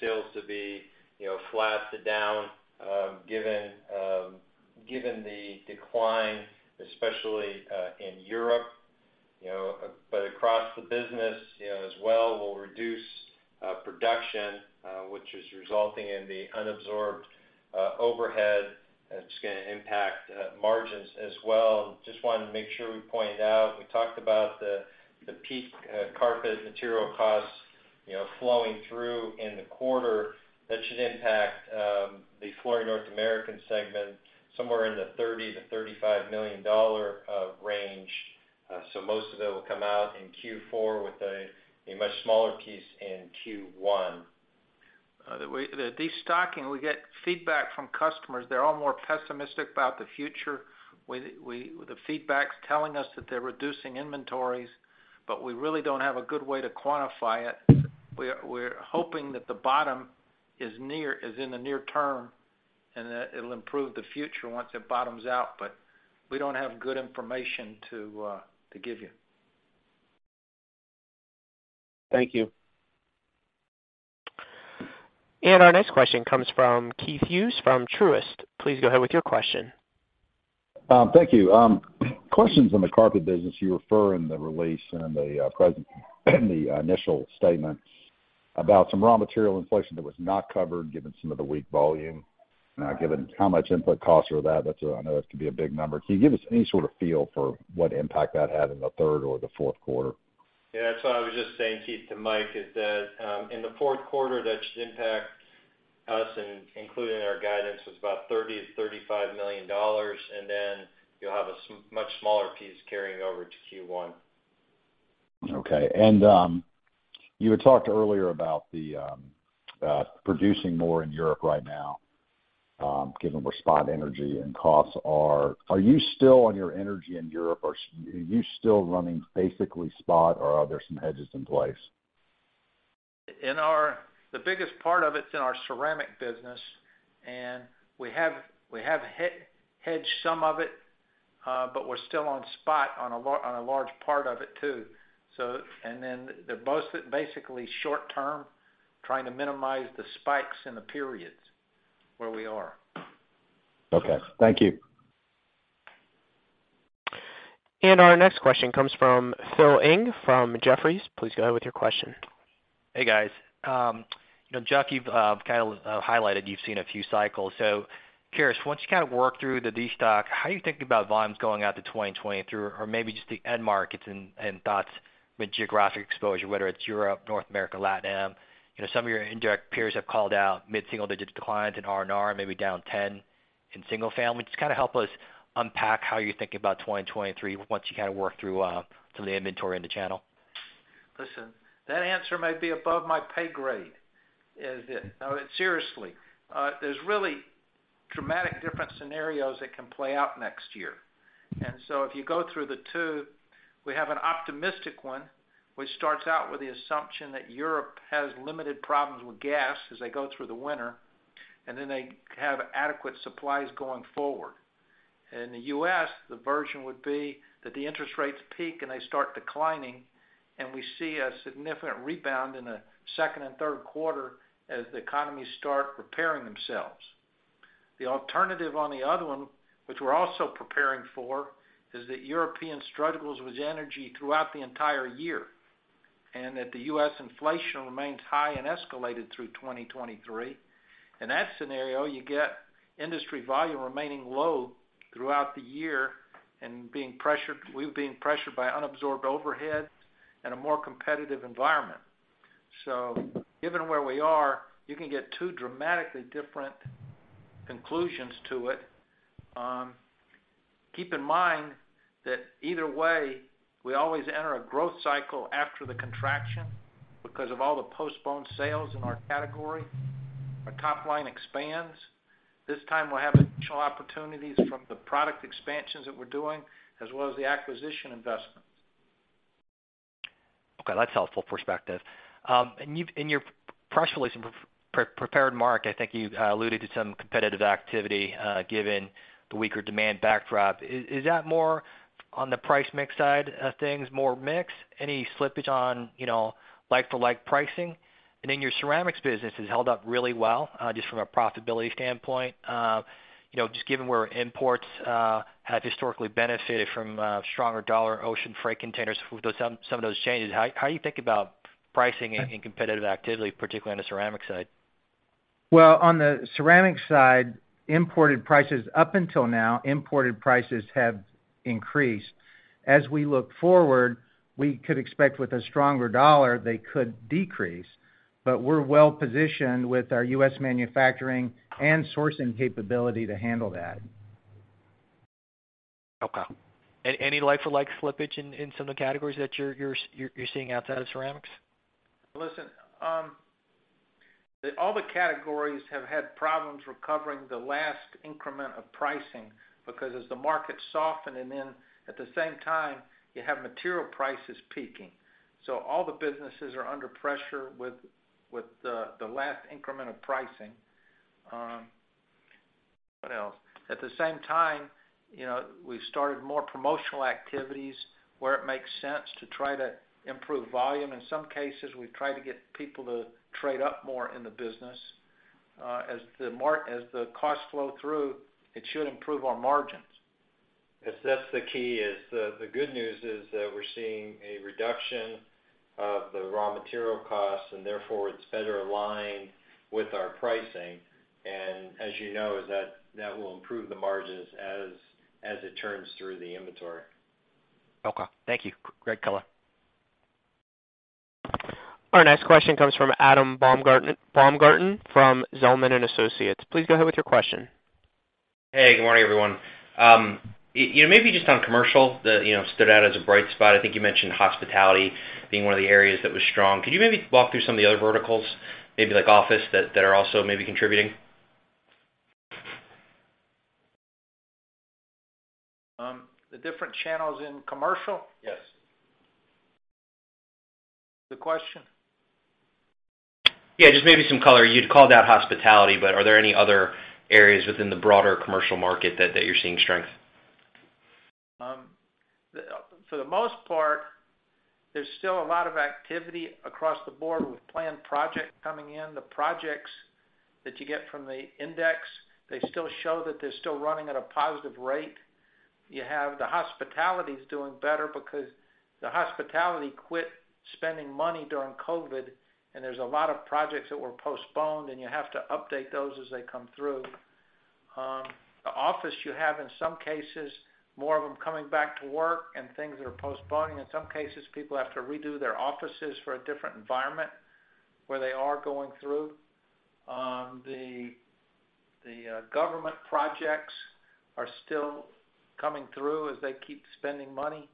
sales to be, you know, flat to down, given the decline, especially, in Europe, you know. Across the business, you know, as well, we'll reduce production, which is resulting in the unabsorbed overhead that's gonna impact margins as well. Just wanted to make sure we pointed out, we talked about the peak carpet material costs, you know, flowing through in the quarter. That should impact the Flooring North America segment somewhere in the $30-$35 million range. So most of it will come out in Q4 with a much smaller piece in Q1. The destocking, we get feedback from customers. They're all more pessimistic about the future. The feedback's telling us that they're reducing inventories, but we really don't have a good way to quantify it. We're hoping that the bottom is in the near term, and that it'll improve in the future once it bottoms out. We don't have good information to give you. Thank you. Our next question comes from Keith Hughes from Truist. Please go ahead with your question. Thank you. Questions on the carpet business. You refer in the release and the presentation, the initial statements about some raw material inflation that was not covered given some of the weak volume. Now, given how much input costs are up, that's, I know it could be a big number. Can you give us any sort of feel for what impact that had in the third or the fourth quarter? Yeah. That's what I was just saying, Keith, to Mike, is that, in the fourth quarter, that should impact us, and including our guidance, was about $30 million-$35 million, and then you'll have a much smaller piece carrying over to Q1. Okay. You had talked earlier about producing more in Europe right now, given where spot energy and costs are. Are you still on your energy in Europe or are you still running basically spot or are there some hedges in place? The biggest part of it's in our ceramic business, and we have hedged some of it, but we're still on spot on a large part of it, too. The most, basically short term, trying to minimize the spikes and the periods where we are. Okay. Thank you. Our next question comes from Phil Ng from Jefferies. Please go ahead with your question. Hey, guys. You know, Jeff, you've kind of highlighted you've seen a few cycles. Curious, once you kind of work through the destock, how are you thinking about volumes going out to 2023 or maybe just the end markets and thoughts with geographic exposure, whether it's Europe, North America, Latin Am. You know, some of your indirect peers have called out mid single digit declines in R&R, maybe down ten in single family. Just kind of help us unpack how you're thinking about 2023 once you kind of work through some of the inventory in the channel. Listen, that answer may be above my pay grade. Is it? No, seriously. There's really dramatically different scenarios that can play out next year. If you go through the two, we have an optimistic one, which starts out with the assumption that Europe has limited problems with gas as they go through the winter, and then they have adequate supplies going forward. In the U.S., the version would be that the interest rates peak, and they start declining, and we see a significant rebound in the second and third quarter as the economy starts repairing themselves. The alternative on the other one, which we're also preparing for, is that Europe struggles with energy throughout the entire year, and that the U.S. inflation remains high and escalates through 2023. In that scenario, you get industry volume remaining low throughout the year and being pressured by unabsorbed overhead and a more competitive environment. Given where we are, you can get two dramatically different conclusions to it. Keep in mind that either way, we always enter a growth cycle after the contraction because of all the postponed sales in our category. Our top line expands. This time, we'll have additional opportunities from the product expansions that we're doing, as well as the acquisition investments. Okay. That's helpful perspective. In your press release and prepared remarks, I think you alluded to some competitive activity, given the weaker demand backdrop. Is that more on the price mix side of things, more mix? Any slippage on, you know, like for like pricing? And then your ceramics business has held up really well, just from a profitability standpoint. You know, just given where imports have historically benefited from a stronger dollar ocean freight containers with some of those changes, how are you thinking about pricing and competitive activity, particularly on the ceramic side? Well, on the ceramic side, imported prices, up until now, imported prices have increased. As we look forward, we could expect, with a stronger dollar, they could decrease. We're well positioned with our U.S. manufacturing and sourcing capability to handle that. Okay. Any like for like slippage in some of the categories that you're seeing outside of ceramics? Listen, all the categories have had problems recovering the last increment of pricing because as the market softens and then at the same time, you have material prices peaking. All the businesses are under pressure with the last increment of pricing. What else? At the same time, you know, we've started more promotional activities where it makes sense to try to improve volume. In some cases, we've tried to get people to trade up more in the business. As the costs flow through, it should improve our margins. Yes, that's the key. The good news is that we're seeing a reduction of the raw material costs, and therefore it's better aligned with our pricing. As you know, that will improve the margins as it turns through the inventory. Okay. Thank you. Great color. Our next question comes from Adam Baumgarten from Zelman & Associates. Please go ahead with your question. Hey, good morning, everyone. You know, maybe just on commercial, you know, stood out as a bright spot. I think you mentioned hospitality being one of the areas that was strong. Could you maybe walk through some of the other verticals, maybe like office, that are also maybe contributing? The different channels in commercial? Yes. The question? Yeah, just maybe some color. You'd called out hospitality, but are there any other areas within the broader commercial market that you're seeing strength? For the most part, there's still a lot of activity across the board with planned projects coming in. The projects that you get from the index, they still show that they're still running at a positive rate. You have the hospitality is doing better because the hospitality quit spending money during COVID, and there's a lot of projects that were postponed, and you have to update those as they come through. The office you have, in some cases, more of them coming back to work and things that are postponing. In some cases, people have to redo their offices for a different environment where they are going through. The government projects are still coming through as they keep spending money.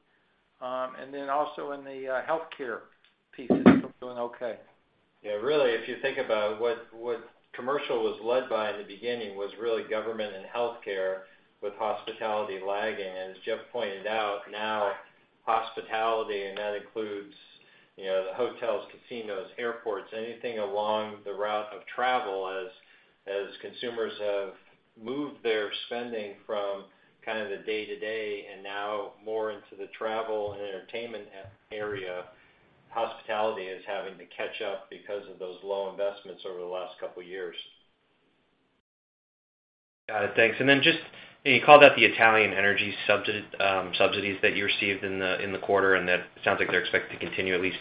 In the healthcare piece, we're doing okay. Yeah. Really, if you think about what commercial was led by in the beginning was really government and healthcare with hospitality lagging. As Jeff pointed out, now hospitality, and that includes, you know, the hotels, casinos, airports, anything along the route of travel as consumers have moved their spending from kind of the day-to-day and now more into the travel and entertainment area, hospitality is having to catch up because of those low investments over the last couple of years. Got it. Thanks. Just, you know, you called out the Italian energy subsidies that you received in the quarter, and that sounds like they're expected to continue at least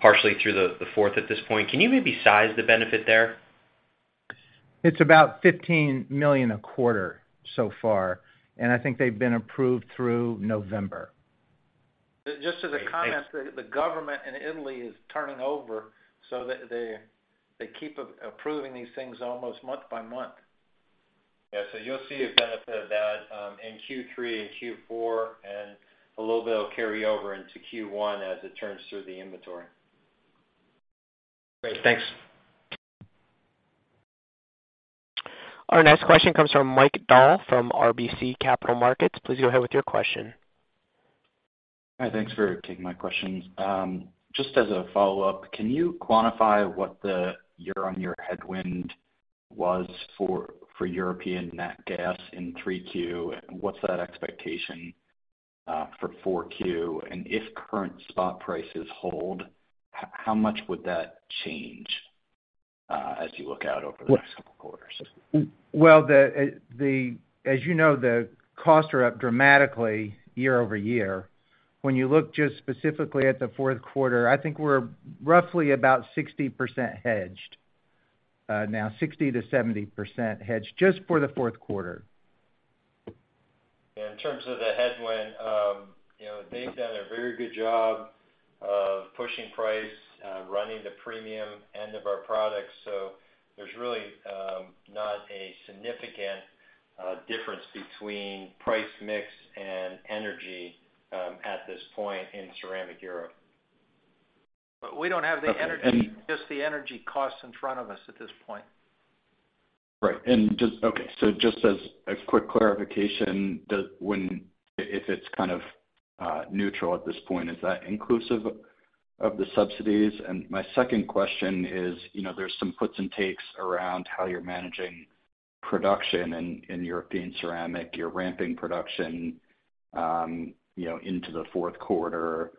partially through the fourth at this point. Can you maybe size the benefit there? It's about $15 million a quarter so far and I think they've been approved through November. Just as a comment, the government in Italy is turning over so that they keep approving these things almost month by month. Yeah. You'll see a benefit of that, in Q3 and Q4, and a little bit will carry over into Q1 as it turns through the inventory. Great. Thanks. Our next question comes from Mike Dahl from RBC Capital Markets. Please go ahead with your question. Hi. Thanks for taking my question. Just as a follow up, can you quantify what the year-on-year headwind was for European nat gas in 3Q? What's that expectation for 4Q? If current spot prices hold, how much would that change as you look out over the next couple of quarters? Well, as you know, the costs are up dramatically year-over-year. When you look just specifically at the fourth quarter, I think we're roughly about 60% hedged now, 60%-70% hedged just for the fourth quarter. In terms of the headwind, you know, they've done a very good job of pushing price, running the premium end of our products. There's really not a significant difference between price mix and energy at this point in ceramic Europe. We don't have the energy, just the energy costs in front of us at this point. Just as a quick clarification, if it's kind of neutral at this point, is that inclusive of the subsidies? My second question is, you know, there's some puts and takes around how you're managing production in European ceramic. You're ramping production, you know, into the fourth quarter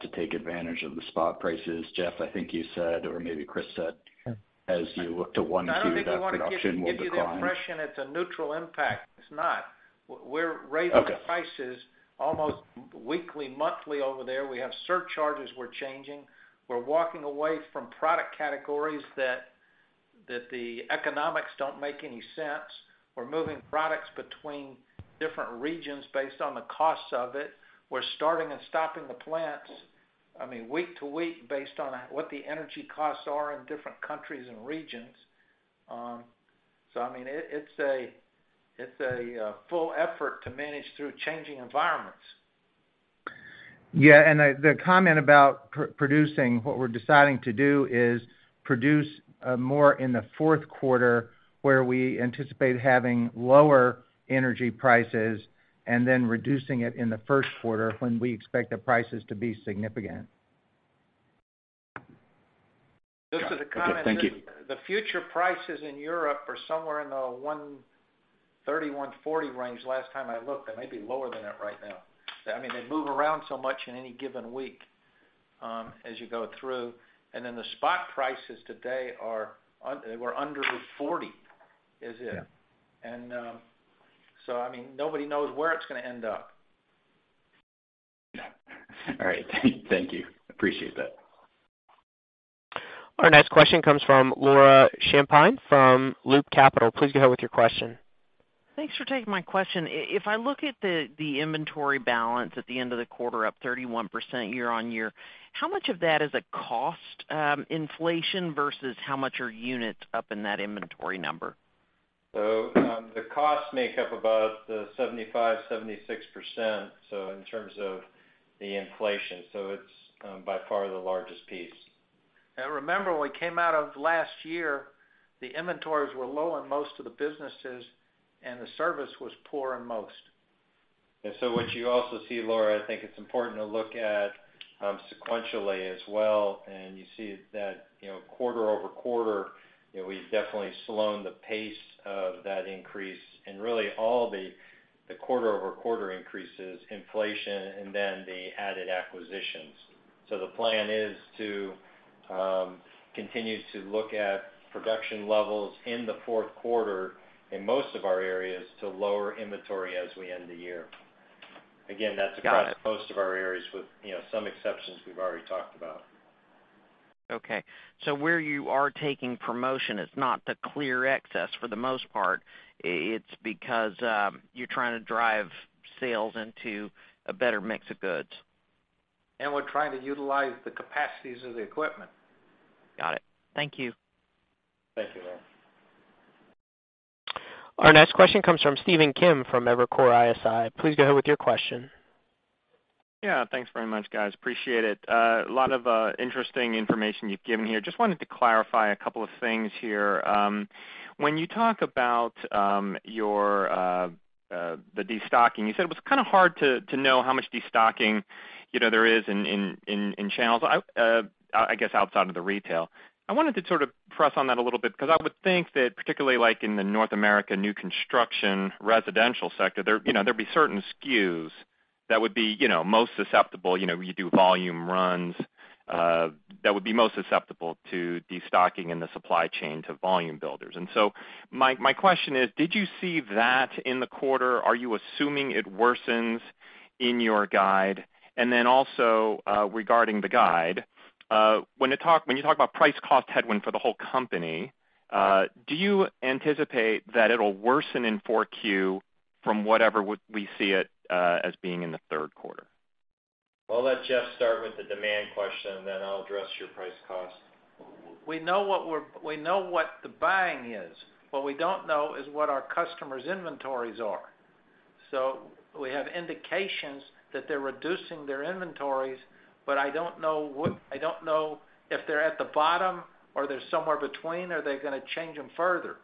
to take advantage of the spot prices. Jeff, I think you said, or maybe Chris said, as you look to one, two, that production will decline. I don't think we wanna give you the impression it's a neutral impact. It's not. We're raising. Okay Prices almost weekly, monthly over there. We have surcharges we're changing. We're walking away from product categories that the economics don't make any sense. We're moving products between different regions based on the costs of it. We're starting and stopping the plants, I mean, week to week based on what the energy costs are in different countries and regions. So I mean, it's a full effort to manage through changing environments. Yeah. The comment about producing, what we're deciding to do is produce more in the fourth quarter, where we anticipate having lower energy prices, and then reducing it in the first quarter when we expect the prices to be significant. Okay. Thank you. Just as a comment, the future prices in Europe are somewhere in the 130-140 range last time I looked. They may be lower than that right now. I mean, they move around so much in any given week, as you go through. The spot prices today were under 40, is it. Yeah. I mean, nobody knows where it's gonna end up. All right. Thank you. Appreciate that. Our next question comes from Laura Champine from Loop Capital. Please go ahead with your question. Thanks for taking my question. If I look at the inventory balance at the end of the quarter, up 31% year-over-year, how much of that is a cost inflation versus how much are units up in that inventory number? The costs make up about the 75%-76%, so in terms of the inflation. It's by far the largest piece. Remember, when we came out of last year, the inventories were low in most of the businesses, and the service was poor in most. What you also see, Laura, I think it's important to look at, sequentially as well, and you see that, you know, quarter-over-quarter, you know, we've definitely slowed the pace of that increase and really all the quarter-over-quarter increases, inflation, and then the added acquisitions. The plan is to continue to look at production levels in the fourth quarter in most of our areas to lower inventory as we end the year. Again, that's across most of our areas with, you know, some exceptions we've already talked about. Okay. Where you are taking promotion is not the clear excess for the most part. It's because you're trying to drive sales into a better mix of goods. We're trying to utilize the capacities of the equipment. Got it. Thank you. Thank you, Laura. Our next question comes from Stephen Kim from Evercore ISI. Please go ahead with your question. Yeah. Thanks very much, guys. Appreciate it. A lot of interesting information you've given here. Just wanted to clarify a couple of things here. When you talk about your destocking, you said it was kind of hard to know how much destocking, you know, there is in channels, I guess outside of the retail. I wanted to sort of press on that a little bit because I would think that particularly like in the North America new construction residential sector, there, you know, there'd be certain SKUs that would be, you know, most susceptible. You know, you do volume runs that would be most susceptible to destocking in the supply chain to volume builders. My question is, did you see that in the quarter? Are you assuming it worsens in your guide? Regarding the guide, when you talk about price cost headwind for the whole company, do you anticipate that it'll worsen in 4Q from whatever we see it as being in the third quarter? Well, let Jeff start with the demand question, then I'll address your price cost. We know what the buying is. What we don't know is what our customers' inventories are. We have indications that they're reducing their inventories, but I don't know if they're at the bottom or they're somewhere between, or they're gonna change them further.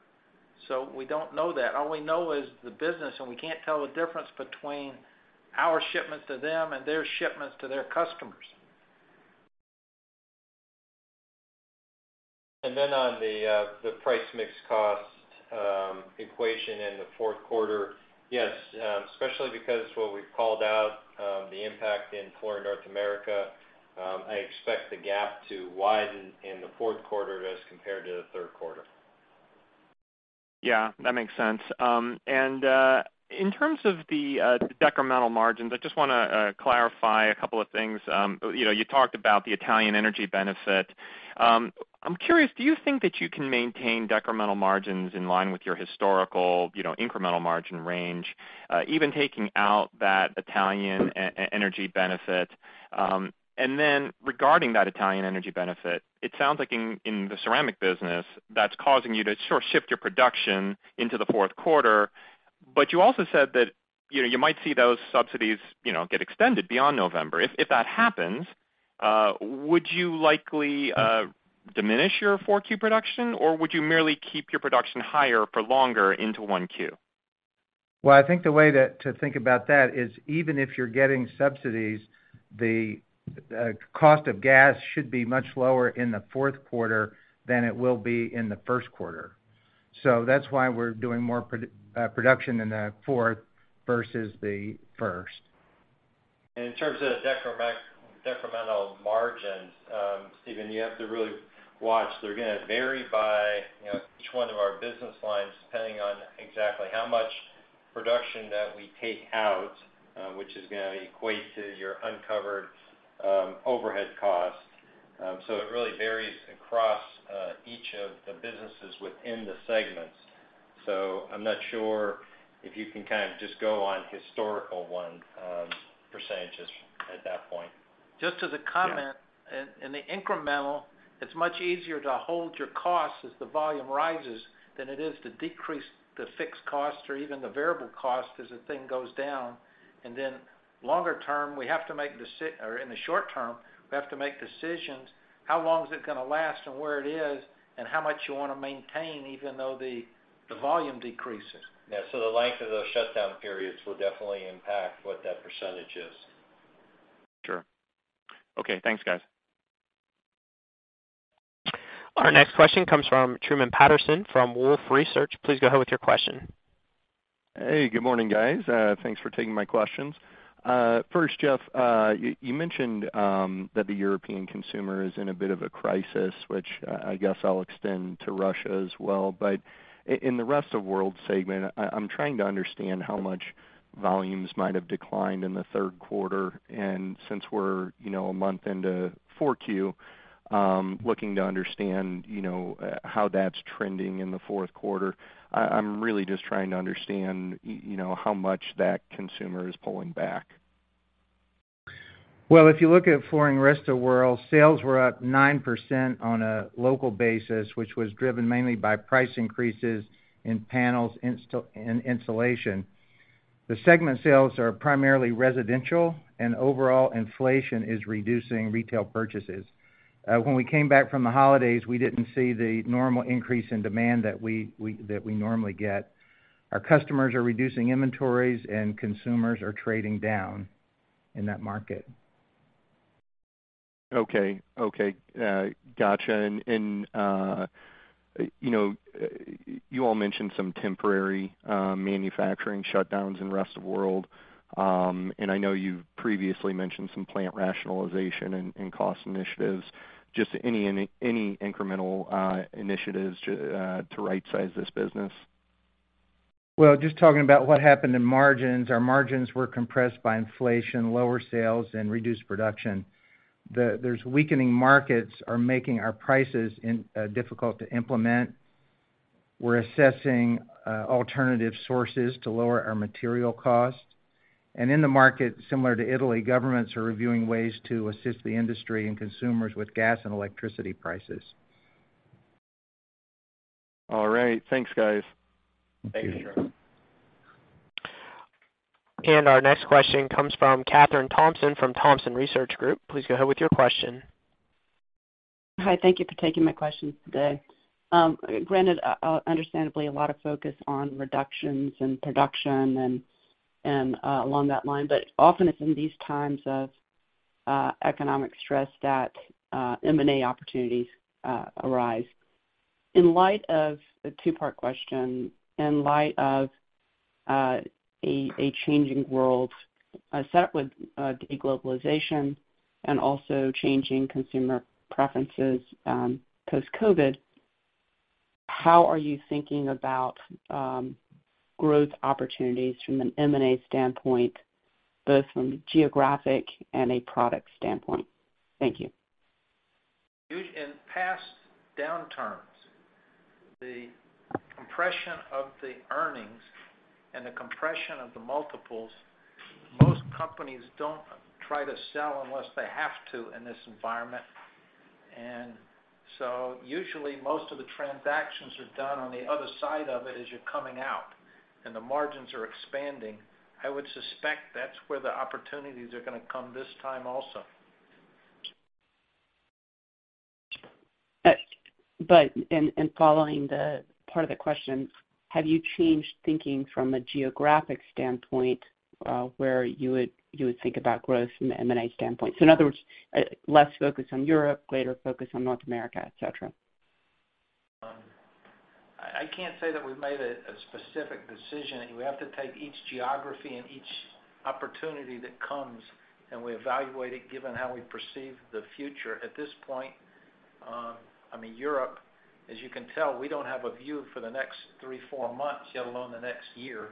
We don't know that. All we know is the business and we can't tell the difference between our shipments to them and their shipments to their customers. On the price mix cost equation in the fourth quarter. Yes, especially because what we've called out, the impact in Flooring North America, I expect the gap to widen in the fourth quarter as compared to the third quarter. Yeah, that makes sense. In terms of the decremental margins, I just wanna clarify a couple of things. You know, you talked about the Italian energy benefit. I'm curious, do you think that you can maintain decremental margins in line with your historical, you know, incremental margin range, even taking out that Italian energy benefit? Regarding that Italian energy benefit, it sounds like in the ceramic business, that's causing you to shift your production into the fourth quarter. You also said that, you know, you might see those subsidies, you know, get extended beyond November. If that happens, would you likely diminish your 4Q production, or would you merely keep your production higher for longer into 1Q? Well, I think the way to think about that is even if you're getting subsidies, the cost of gas should be much lower in the fourth quarter than it will be in the first quarter. That's why we're doing more production in the fourth versus the first. In terms of the decremental margins, Stephen, you have to really watch. They're gonna vary by, you know, each one of our business lines, depending on exactly how much production that we take out, which is gonna equate to your uncovered overhead costs. It really varies across each of the businesses within the segments. I'm not sure if you can kind of just go on historical one percentages at that point. Just as a comment. Yeah. In the incremental, it's much easier to hold your cost as the volume rises than it is to decrease the fixed cost or even the variable cost as the thing goes down. Longer term, we have to make decisions or in the short term, we have to make decisions, how long is it gonna last and where it is and how much you wanna maintain, even though the volume decreases. Yeah. The length of those shutdown periods will definitely impact what that percentage is. Sure. Okay, thanks, guys. Our next question comes from Truman Patterson from Wolfe Research. Please go ahead with your question. Hey, good morning, guys. Thanks for taking my questions. First, Jeff, you mentioned that the European consumer is in a bit of a crisis, which I guess I'll extend to Russia as well. In the rest of world segment, I'm trying to understand how much volumes might have declined in the third quarter. Since we're, you know, a month into 4Q, looking to understand, you know, how that's trending in the fourth quarter. I'm really just trying to understand, you know, how much that consumer is pulling back. Well, if you look at Flooring Rest of the World, sales were up 9% on a local basis, which was driven mainly by price increases in panels and insulation. The segment sales are primarily residential and overall inflation is reducing retail purchases. When we came back from the holidays, we didn't see the normal increase in demand that we normally get. Our customers are reducing inventories, and consumers are trading down in that market. Okay. Gotcha. You know, you all mentioned some temporary manufacturing shutdowns in Rest of World. I know you've previously mentioned some plant rationalization and cost initiatives. Just any incremental initiatives to right-size this business. Well, just talking about what happened in margins. Our margins were compressed by inflation, lower sales and reduced production. There are weakening markets making our price increases difficult to implement. We're assessing alternative sources to lower our material costs. In the markets similar to Italy, governments are reviewing ways to assist the industry and consumers with gas and electricity prices. All right. Thanks, guys. Thanks, Truman. Our next question comes from Kathryn Thompson from Thompson Research Group. Please go ahead with your question. Hi, thank you for taking my questions today. Granted, understandably, a lot of focus on reductions and production and along that line. Often it's in these times of economic stress that M&A opportunities arise. A two part question. In light of a changing world set with deglobalization and also changing consumer preferences post-COVID, how are you thinking about growth opportunities from an M&A standpoint, both from geographic and a product standpoint? Thank you. In past downturns, the compression of the earnings and the compression of the multiples, most companies don't try to sell unless they have to in this environment. Usually most of the transactions are done on the other side of it as you're coming out and the margins are expanding. I would suspect that's where the opportunities are gonna come this time also. Following the part of the question, have you changed thinking from a geographic standpoint, where you would think about growth from an M&A standpoint? In other words, less focus on Europe, greater focus on North America, et cetera. I can't say that we've made a specific decision. We have to take each geography and each opportunity that comes, and we evaluate it given how we perceive the future at this point. I mean, Europe, as you can tell, we don't have a view for the next three, four months, let alone the next year.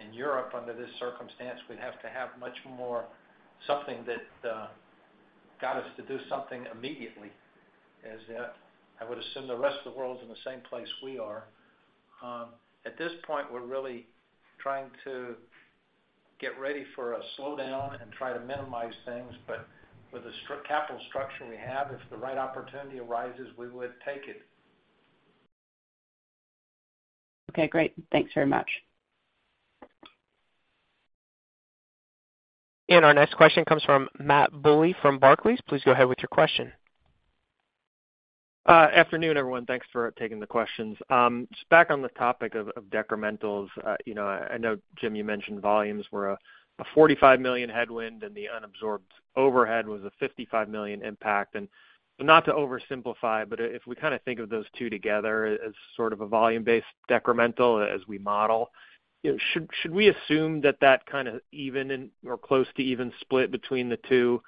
In Europe, under this circumstance, we'd have to have much more something that got us to do something immediately, as I would assume the rest of the world is in the same place we are. At this point, we're really trying to get ready for a slowdown and try to minimize things. With the strong capital structure we have, if the right opportunity arises, we would take it. Okay, great. Thanks very much. Our next question comes from Matthew Bouley from Barclays. Please go ahead with your question. Afternoon, everyone. Thanks for taking the questions. Just back on the topic of decrementals, you know, I know, Jim, you mentioned volumes were a $45 million headwind, and the unabsorbed overhead was a $55 million impact. Not to oversimplify, but if we kinda think of those two together as sort of a volume based decremental as we model, you know, should we assume that kinda even or close to even split between the two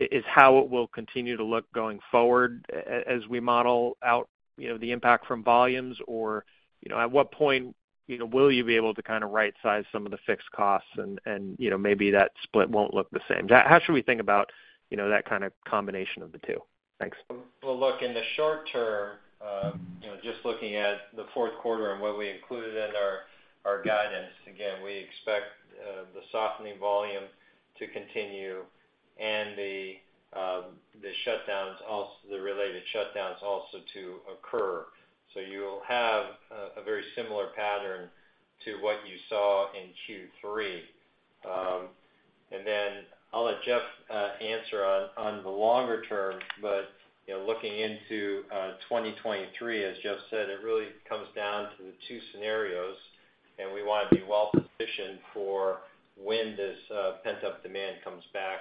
is how it will continue to look going forward as we model out, you know, the impact from volumes? Or, you know, at what point, you know, will you be able to kind of right-size some of the fixed costs and, you know, maybe that split won't look the same? How should we think about, you know, that kind of combination of the two? Thanks. Well, look, in the short term, you know, just looking at the fourth quarter and what we included in our guidance again, we expect the softening volume to continue and the related shutdowns also to occur. You'll have a very similar pattern to what you saw in Q3. Then I'll let Jeff answer on the longer term, but you know, looking into 2023, as Jeff said, it really comes down to the two scenarios, and we wanna be well positioned for when this pent-up demand comes back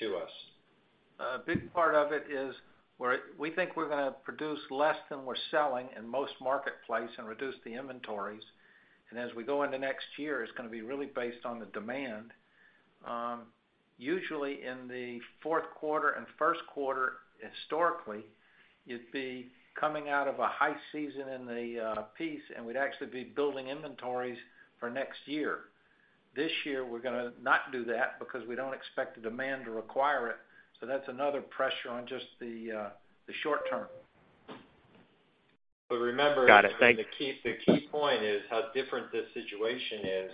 to us. A big part of it is we think we're gonna produce less than we're selling in most marketplace and reduce the inventories. As we go into next year, it's gonna be really based on the demand. Usually in the fourth quarter and first quarter, historically, you'd be coming out of a high season in the peak, and we'd actually be building inventories for next year. This year, we're gonna not do that because we don't expect the demand to require it. That's another pressure on just the short term. Remember. Got it. Thanks The key point is how different this situation is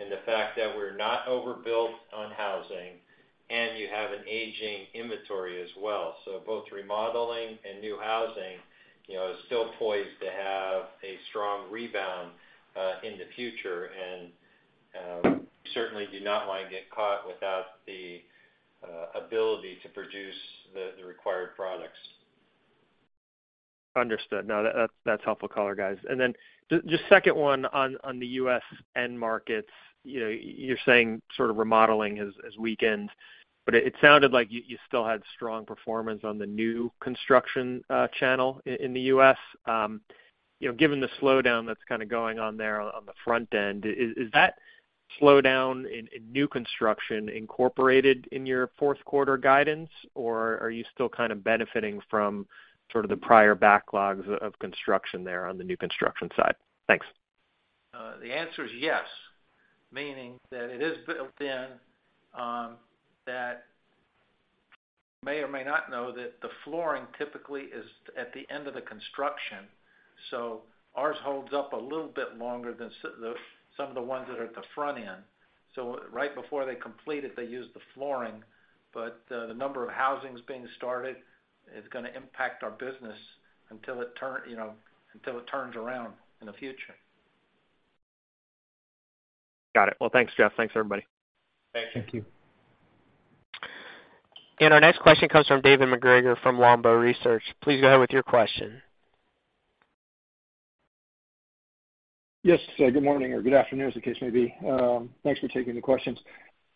and the fact that we're not overbuilt on housing, and you have an aging inventory as well. So both remodeling and new housing, you know, are still poised to have a strong rebound in the future. Certainly do not want to get caught without the ability to produce the required products. Understood. No, that's helpful color, guys. Just second one on the U.S. end markets, you know, you're saying sort of remodeling has weakened, but it sounded like you still had strong performance on the new construction channel in the U.S. You know, given the slowdown that's kinda going on there on the front end, is that slowdown in new construction incorporated in your fourth quarter guidance, or are you still kind of benefiting from sort of the prior backlogs of construction there on the new construction side? Thanks. The answer is yes. Meaning that it is built in, that you may or may not know that the flooring typically is at the end of the construction, so ours holds up a little bit longer than some of the ones that are at the front end. Right before they complete it, they use the flooring, but the number of housings being started is gonna impact our business until it turn, you know, until it turns around in the future. Got it. Well, thanks, Jeff. Thanks, everybody. Thank you. Thank you. Our next question comes from David MacGregor from Longbow Research. Please go ahead with your question. Yes, good morning or good afternoon, as the case may be. Thanks for taking the questions.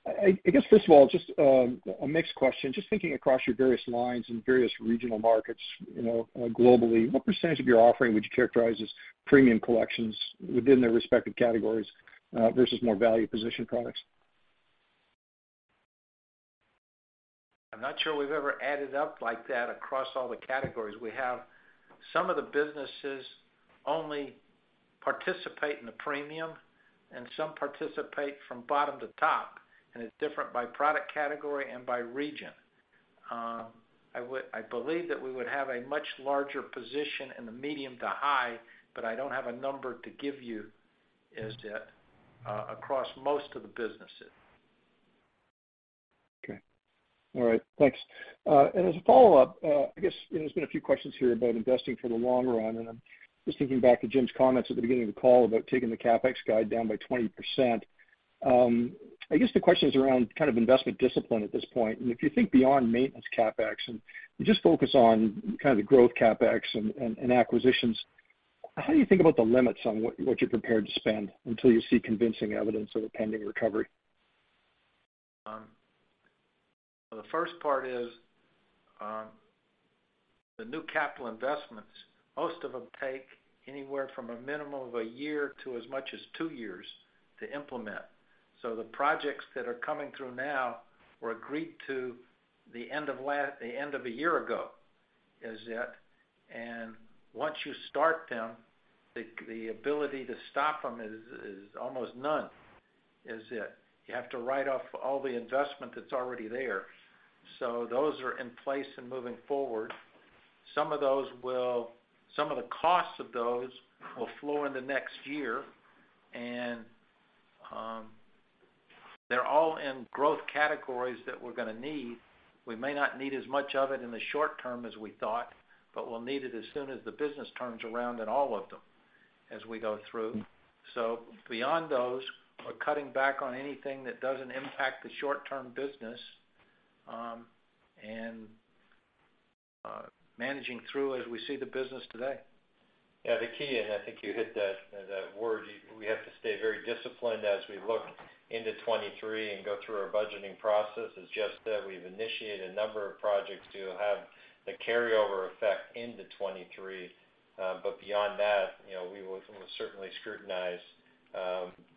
I guess, first of all, just a mixed question. Just thinking across your various lines and various regional markets, you know, globally, what percentage of your offering would you characterize as premium collections within their respective categories, versus more value position products? I'm not sure we've ever added up like that across all the categories we have. Some of the businesses only. Participate in the premium, and some participate from bottom to top, and it's different by product category and by region. I believe that we would have a much larger position in the medium to high, but I don't have a number to give you, is that, across most of the businesses. Okay. All right. Thanks. As a follow up, I guess, you know, there's been a few questions here about investing for the long run, and I'm just thinking back to Jim's comments at the beginning of the call about taking the CapEx guide down by 20%. I guess the question is around kind of investment discipline at this point. If you think beyond maintenance CapEx, and you just focus on kind of the growth CapEx and acquisitions, how do you think about the limits on what you're prepared to spend until you see convincing evidence of a pending recovery? The first part is the new capital investments. Most of them take anywhere from a minimum of a year to as much as two years to implement. The projects that are coming through now were agreed to the end of a year ago, is it. Once you start them, the ability to stop them is almost none, is it. You have to write off all the investment that's already there. Those are in place and moving forward. Some of the costs of those will flow in the next year, and they're all in growth categories that we're gonna need. We may not need as much of it in the short term as we thought, but we'll need it as soon as the business turns around in all of them as we go through. Beyond those, we're cutting back on anything that doesn't impact the short term business, managing through as we see the business today. Yeah. The key, and I think you hit that word, we have to stay very disciplined as we look into 2023 and go through our budgeting process. It's just that we've initiated a number of projects to have the carryover effect into 2023. Beyond that, you know, we will certainly scrutinize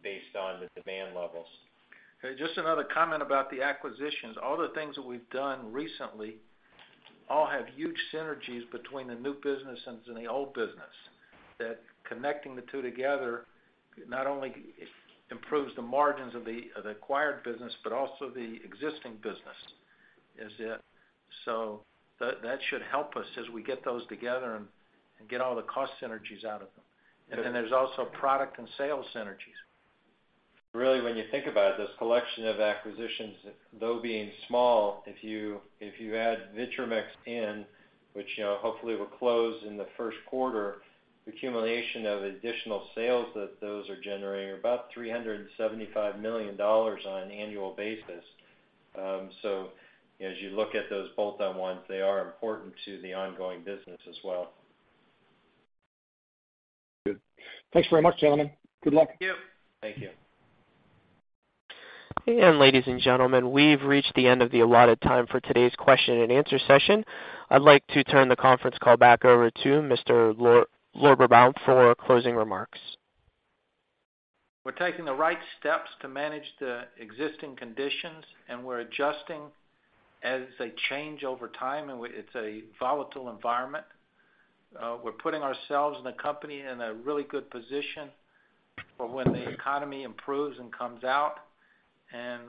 based on the demand levels. Okay. Just another comment about the acquisitions. All the things that we've done recently all have huge synergies between the new business and the old business, that connecting the two together not only improves the margins of the acquired business, but also the existing business, is it. That should help us as we get those together and get all the cost synergies out of them. Then there's also product and sales synergies. Really, when you think about it, this collection of acquisitions, though being small, if you add Vitromex in, which, you know, hopefully, will close in the first quarter, the accumulation of additional sales that those are generating are about $375 million on an annual basis. As you look at those bolt on ones, they are important to the ongoing business as well. Good. Thanks very much, gentlemen. Good luck. Thank you. Thank you. Ladies and gentlemen, we've reached the end of the allotted time for today's question and answer session. I'd like to turn the conference call back over to Mr. Lorberbaum for closing remarks. We're taking the right steps to manage the existing conditions, and we're adjusting as they change over time, and it's a volatile environment. We're putting ourselves and the company in a really good position for when the economy improves and comes out, and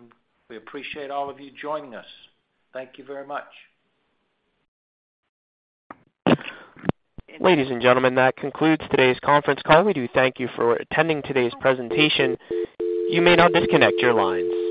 we appreciate all of you joining us. Thank you very much. Ladies and gentlemen, that concludes today's conference call. We do thank you for attending today's presentation. You may now disconnect your lines.